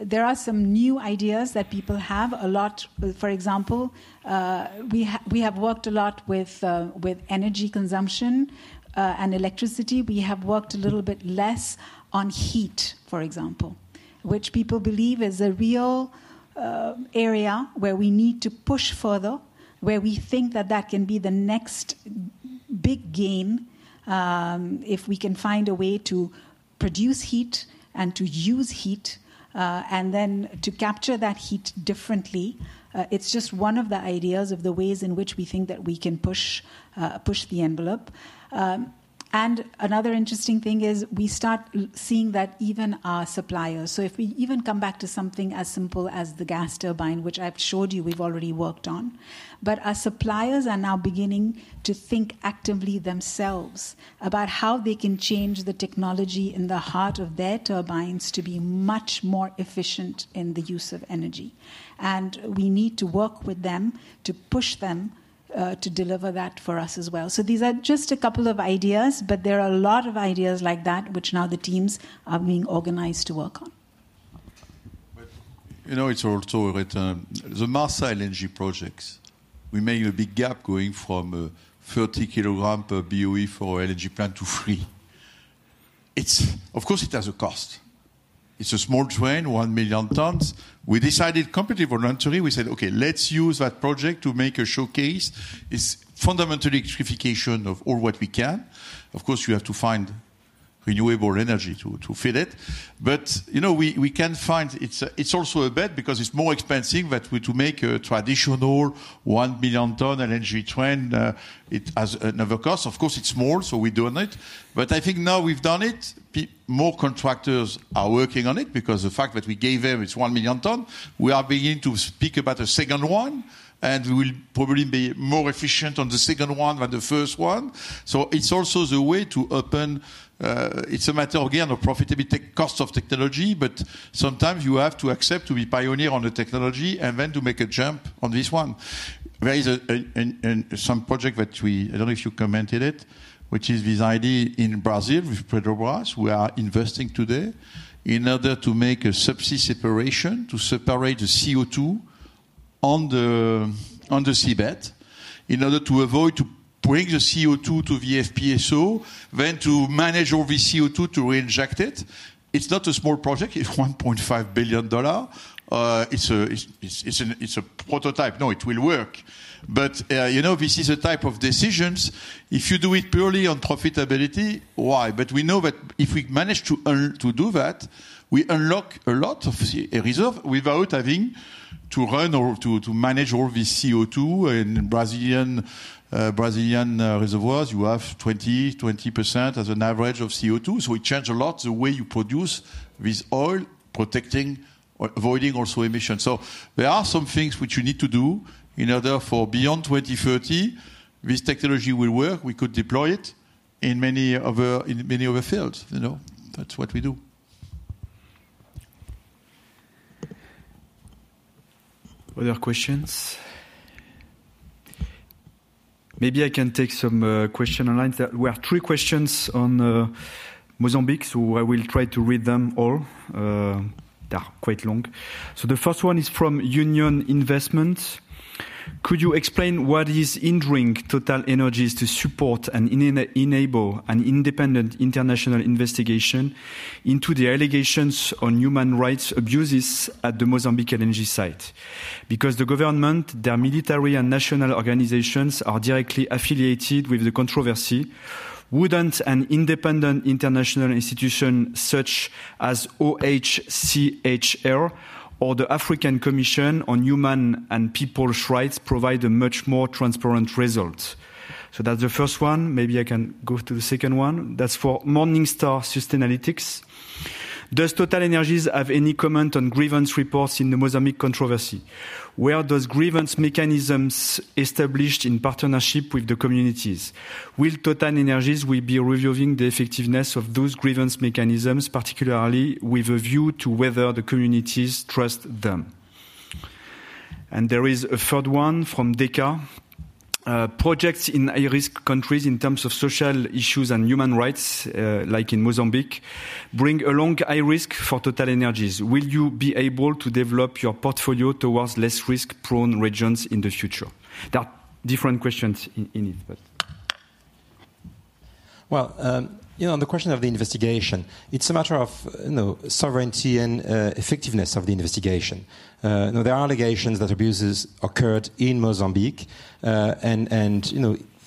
There are some new ideas that people have a lot. For example, we have worked a lot with energy consumption and electricity. We have worked a little bit less on heat, for example, which people believe is a real area where we need to push further, where we think that that can be the next big gain if we can find a way to produce heat and to use heat Another interesting thing is we start seeing that even our suppliers, so if we even come back to something as simple as the gas turbine, which I have showed you we have already worked on, our suppliers are now beginning to think actively themselves about how they can change the technology in the heart of their turbines to be much more efficient in the use of energy. We need to work with them to push them to deliver that for us as well. These are just a couple of ideas, but there are a lot of ideas like that, which now the teams are being organized to work on. It's also the Marsa LNG projects. We made a big gap going from 30 kilograms per BOE for LNG plant to three. Of course, it has a cost. renewable energy to fit it. We can find it's also a bet because it's more expensive to make a traditional 1 million ton LNG train. It has another cost. Of course, it's small, so we're doing it. I think now we've done it. More contractors are working on it because the fact that we gave them it's 1 million ton. We are beginning to speak about a second one, and we will probably be more efficient on the second one than the first one. It's also the way to open. It's a matter, again, of profitability, cost of technology, but sometimes you have to accept to be pioneer on the technology and then to make a jump on this one. There is some project that we, I don't know if you commented it, which is this idea in Brazil with Pedro Buaraz. We are investing today in order to make a subsea separation to separate the CO2 on the seabed in order to avoid to bring the CO2 to the FPSO, then to manage all the CO2 to reinject it. It's not a small project. It's $1.5 billion. It's a prototype. No, it will work. This is a type of decisions. If you do it purely on profitability, why? We know that if we manage to do that, we unlock a lot of reserves without having to run or to manage all the CO2. In Brazilian reservoirs, you have 20% as an average of CO2. It changes a lot the way you produce with oil, protecting, avoiding also emissions. There are some things which you need to do in order for beyond 2030, this technology will work. We could deploy it in many other fields. That's what we do. Other questions? Could you explain what is injuring TotalEnergies to support and enable an independent international investigation into the allegations on human rights abuses at the Mozambique LNG site? Because the government, their military and national organizations are directly affiliated with the controversy, would not an independent international institution such as OHCHR Does TotalEnergies have any comment on grievance reports in the Mozambique controversy? Where does grievance mechanisms established in partnership with the communities? Will TotalEnergies be reviewing the effectiveness of those grievance mechanisms, particularly with a view to whether the communities trust them? There is a third one from DECA. Projects in high-risk countries in terms of social issues and human rights, like in Mozambique, bring along high risk for TotalEnergies. Will you be able to develop your portfolio towards less risk-prone regions in the future? There are different questions in it, but the question of the investigation, it's a matter of sovereignty and effectiveness of the investigation.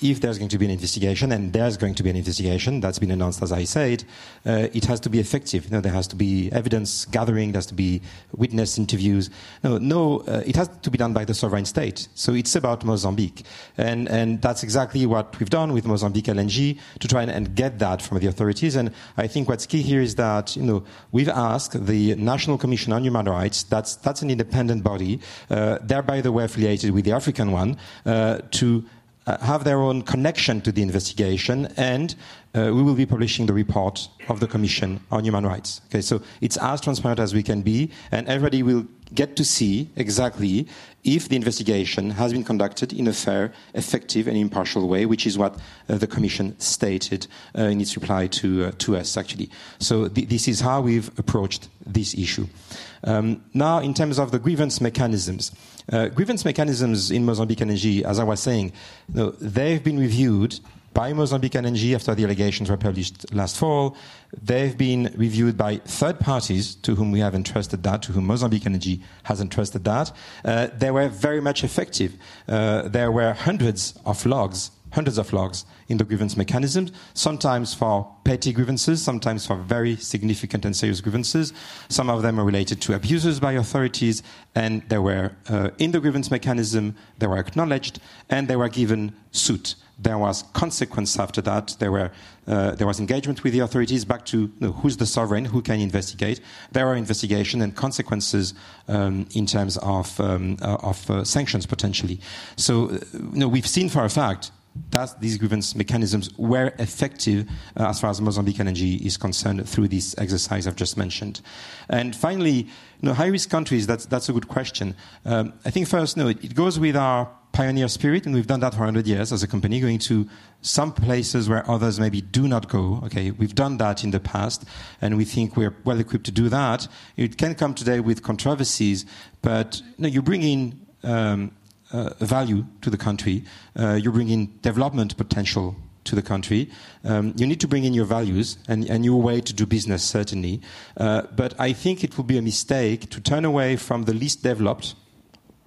If there's going to be an investigation, and there's going to be an investigation that's been announced, as I said, it has to be effective. There has to be evidence gathering. There has to be witness interviews. It has to be done by the sovereign state. It's about Mozambique. That's exactly what we've done with Mozambique LNG to try and get that from the authorities. I think what's key here is that we've asked the National Commission on Human Rights. That's an independent body. They're, by the way, affiliated with the African one to have their own connection to the investigation. We will be publishing the report of the Commission on Human Rights. It is as transparent as we can be. Everybody will get to see exactly if the investigation has been conducted in a fair, effective, and impartial way, which is what the Commission stated in its reply to us, actually. This is how we've approached this issue. In terms of the grievance mechanisms, grievance mechanisms in Mozambique LNG, as I was saying, they've been reviewed by Mozambique LNG after the allegations were published last fall. They've been reviewed by third parties to whom we have entrusted that, to whom Mozambique LNG has entrusted that. They were very much effective. There were hundreds of logs, hundreds of logs in the grievance mechanisms, sometimes for petty grievances, sometimes for very significant and serious grievances. Some of them are related to abuses by authorities. In the grievance mechanism, they were acknowledged, and they were given suit. There was consequence after that. There was engagement with the authorities back to who's the sovereign, who can investigate. There are investigations and consequences in terms of sanctions, potentially. We have seen for a fact that these grievance mechanisms were effective as far as Mozambique LNG is concerned through this exercise I have just mentioned. Finally, high-risk countries, that's a good question. I think first, it goes with our pioneer spirit, and we have done that for 100 years as a company, going to some places where others maybe do not go. We've done that in the past, and we think we're well equipped to do that. It can come today with controversies, but you bring in value to the country. You bring in development potential to the country. You need to bring in your values and your way to do business, certainly. I think it would be a mistake to turn away from the least developed,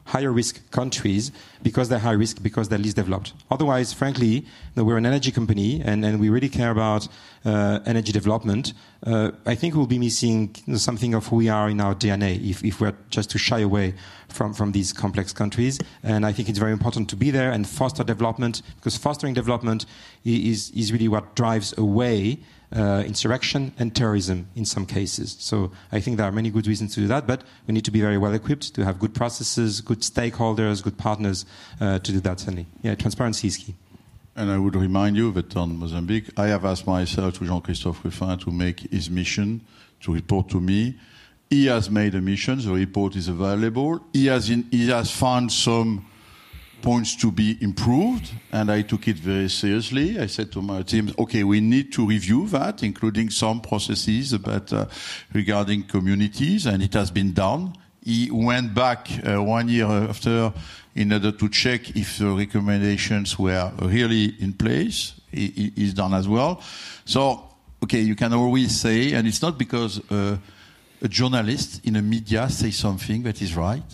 higher-risk countries because they're high risk because they're least developed. Otherwise, frankly, we're an energy company, and we really care about energy development. I think we'll be missing something of who we are in our DNA if we're just to shy away from these complex countries. I think it's very important to be there and foster development because fostering development is really what drives away insurrection and terrorism in some cases. I think there are many good reasons to do that, but we need to be very well equipped to have good processes, good stakeholders, good partners to do that, certainly. Transparency is key. I would remind you that on Mozambique, I have asked myself to Jean-Christophe Rufin to make his mission to report to me. He has made a mission. The report is available. He has found some points to be improved, and I took it very seriously. I said to my team, "Okay, we need to review that, including some processes regarding communities," and it has been done. He went back one year after in order to check if the recommendations were really in place. He's done as well. You can always say, and it's not because a journalist in the media says something that is right.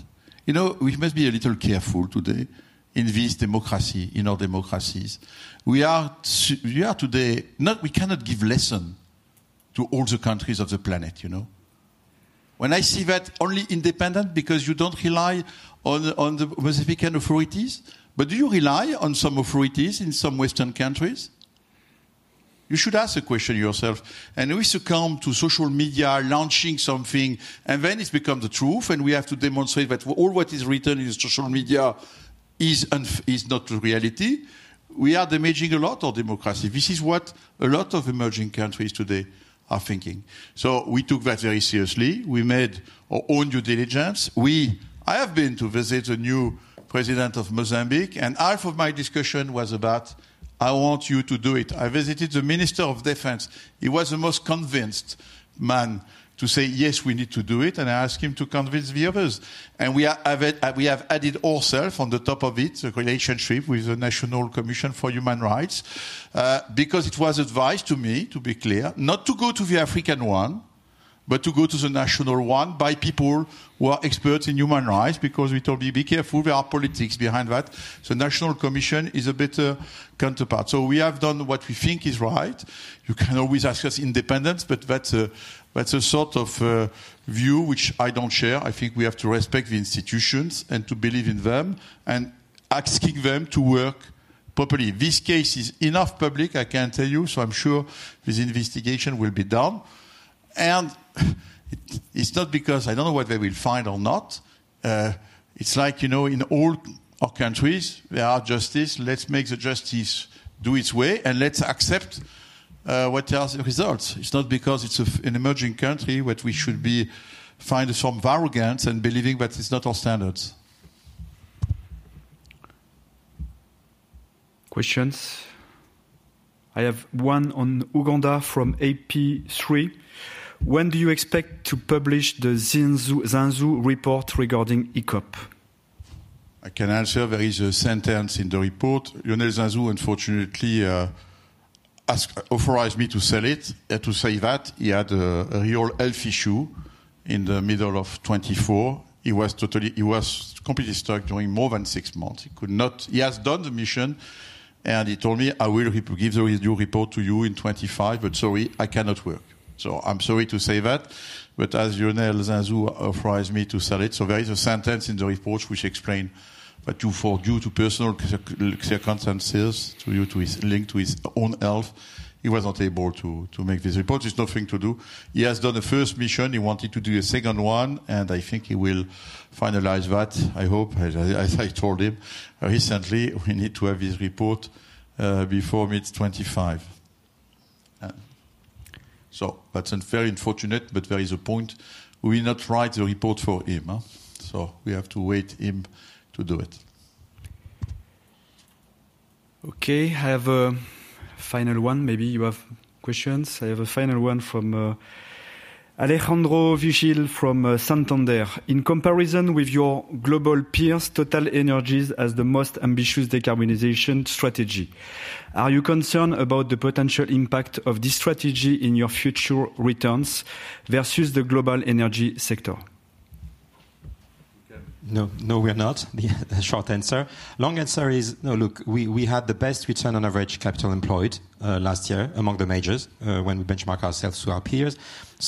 We must be a little careful today in this democracy, in our democracies. We are today, we cannot give lesson to all the countries of the planet. When I see that only independent because you do not rely on the Mozambican authorities, but do you rely on some authorities in some Western countries? You should ask a question yourself. We succumb to social media launching something, and then it becomes the truth, and we have to demonstrate that all what is written in social media is not the reality. We are damaging a lot of democracy. This is what a lot of emerging countries today are thinking. We took that very seriously. We made our own due diligence. I have been to visit the new president of Mozambique, and half of my discussion was about, "I want you to do it." I visited the Minister of Defense. He was the most convinced man to say, "Yes, we need to do it," and I asked him to convince the others. We have added ourselves on the top of it, the relationship with the National Commission for Human Rights, because it was advised to me, to be clear, not to go to the African one, but to go to the national one by people who are experts in human rights, because we told them, "Be careful. There are politics behind that." The National Commission is a better counterpart. We have done what we think is right. You can always ask us independence, but that's a sort of view which I don't share. I think we have to respect the institutions and to believe in them and asking them to work properly. This case is enough public, I can tell you, so I'm sure this investigation will be done. It's not because I don't know what they will find or not. It's like in all our countries, there are justices. Let's make the justice do its way, and let's accept whatever results. It's not because it's an emerging country that we should find some arrogance and believing that it's not our standards. Questions? I have one on Uganda from AP3. When do you expect to publish the Zanzu report regarding ECOP? I can answer. There is a sentence in the report. Lionel Zanzu, unfortunately, authorized me to say that he had a real health issue in the middle of 2024. He was completely stuck during more than six months. He has done the mission, and he told me, "I will give the report to you in 2025, but sorry, I cannot work." I'm sorry to say that, but as Lionel Zinsou authorized me to sell it. There is a sentence in the report which explains what you for due to personal circumstances to link to his own health. He wasn't able to make this report. There's nothing to do. He has done a first mission. He wanted to do a second one, and I think he will finalize that, I hope. As I told him recently, we need to have his report before mid-2025. That's very unfortunate, but there is a point. We will not write the report for him. We have to wait him to do it. Okay, I have a final one. Maybe you have questions. I have a final one from Alejandro Vigil from Santander. In comparison with your global peers, TotalEnergies has the most ambitious decarbonization strategy. Are you concerned about the potential impact of this strategy in your future returns versus the global energy sector? No, we're not. Short answer. Long answer is, no, look, we had the best return on average capital employed last year among the majors when we benchmark ourselves to our peers.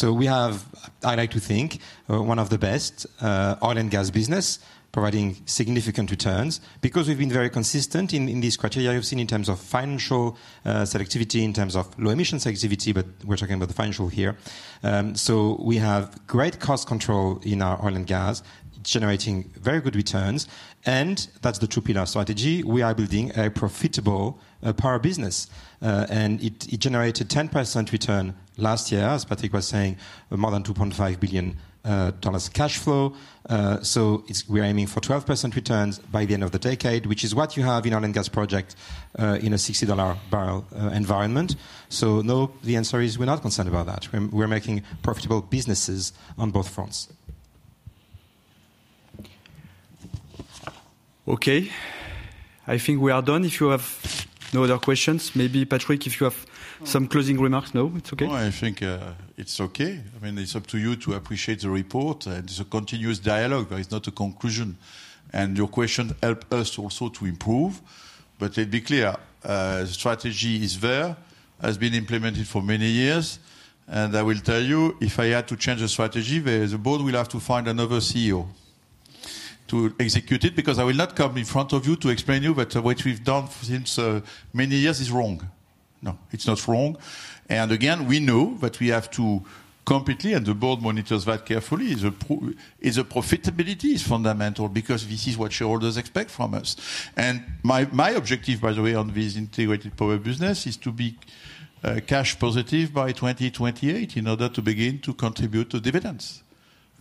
We have, I like to think, one of the best oil and gas businesses providing significant returns because we've been very consistent in these criteria you've seen in terms of financial selectivity, in terms of low emission selectivity, but we're talking about the financial here. We have great cost control in our oil and gas, generating very good returns. That's the two-pillar strategy. We are building a profitable power business. It generated 10% return last year, as Patrick was saying, more than $2.5 billion cash flow. We are aiming for 12% returns by the end of the decade, which is what you have in oil and gas projects in a $60 barrel environment. No, the answer is we are not concerned about that. We are making profitable businesses on both fronts. Okay, I think we are done. If you have no other questions, maybe Patrick, if you have some closing remarks, no, it is okay. No, I think it is okay. I mean, it is up to you to appreciate the report. It is a continuous dialogue. There is not a conclusion. Your questions help us also to improve. Let me be clear. The strategy is there, has been implemented for many years. I will tell you, if I had to change the strategy, the board will have to find another CEO to execute it because I will not come in front of you to explain to you that what we've done since many years is wrong. No, it's not wrong. Again, we know that we have to completely, and the board monitors that carefully, is a profitability is fundamental because this is what shareholders expect from us. My objective, by the way, on this integrated power business is to be cash positive by 2028 in order to begin to contribute to dividends.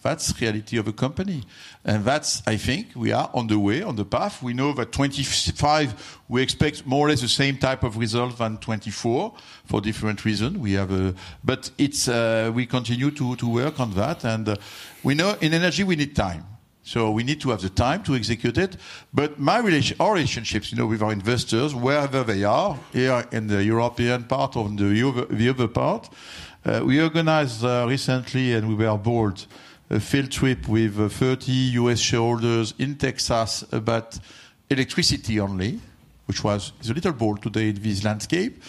That's the reality of a company. I think we are on the way, on the path. We know that 2025, we expect more or less the same type of result than 2024 for different reasons. We continue to work on that. We know in energy, we need time. We need to have the time to execute it. Our relationships with our investors, wherever they are, here in the European part or in the other part, we organized recently, and we were bored, a field trip with 30 US shareholders in Texas about electricity only, which was a little boring today in this landscape.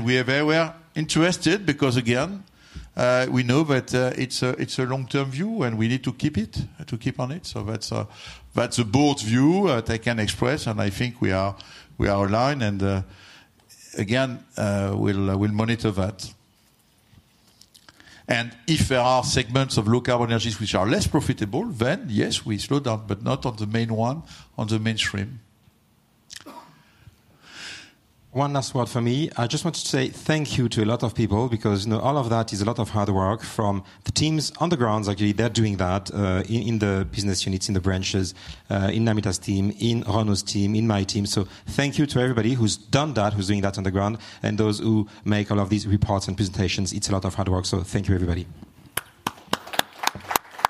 We are very interested because, again, we know that it's a long-term view, and we need to keep it, to keep on it. That's a bold view that I can express. I think we are aligned. Again, we'll monitor that. If there are segments of low carbon energies which are less profitable, then yes, we slow down, but not on the main one, on the mainstream. One last word for me. I just wanted to say thank you to a lot of people because all of that is a lot of hard work from the teams on the ground. Actually, they're doing that in the business units, in the branches, in Namita's team, in Ronu's team, in my team. Thank you to everybody who's done that, who's doing that on the ground, and those who make all of these reports and presentations. It's a lot of hard work. Thank you, everybody.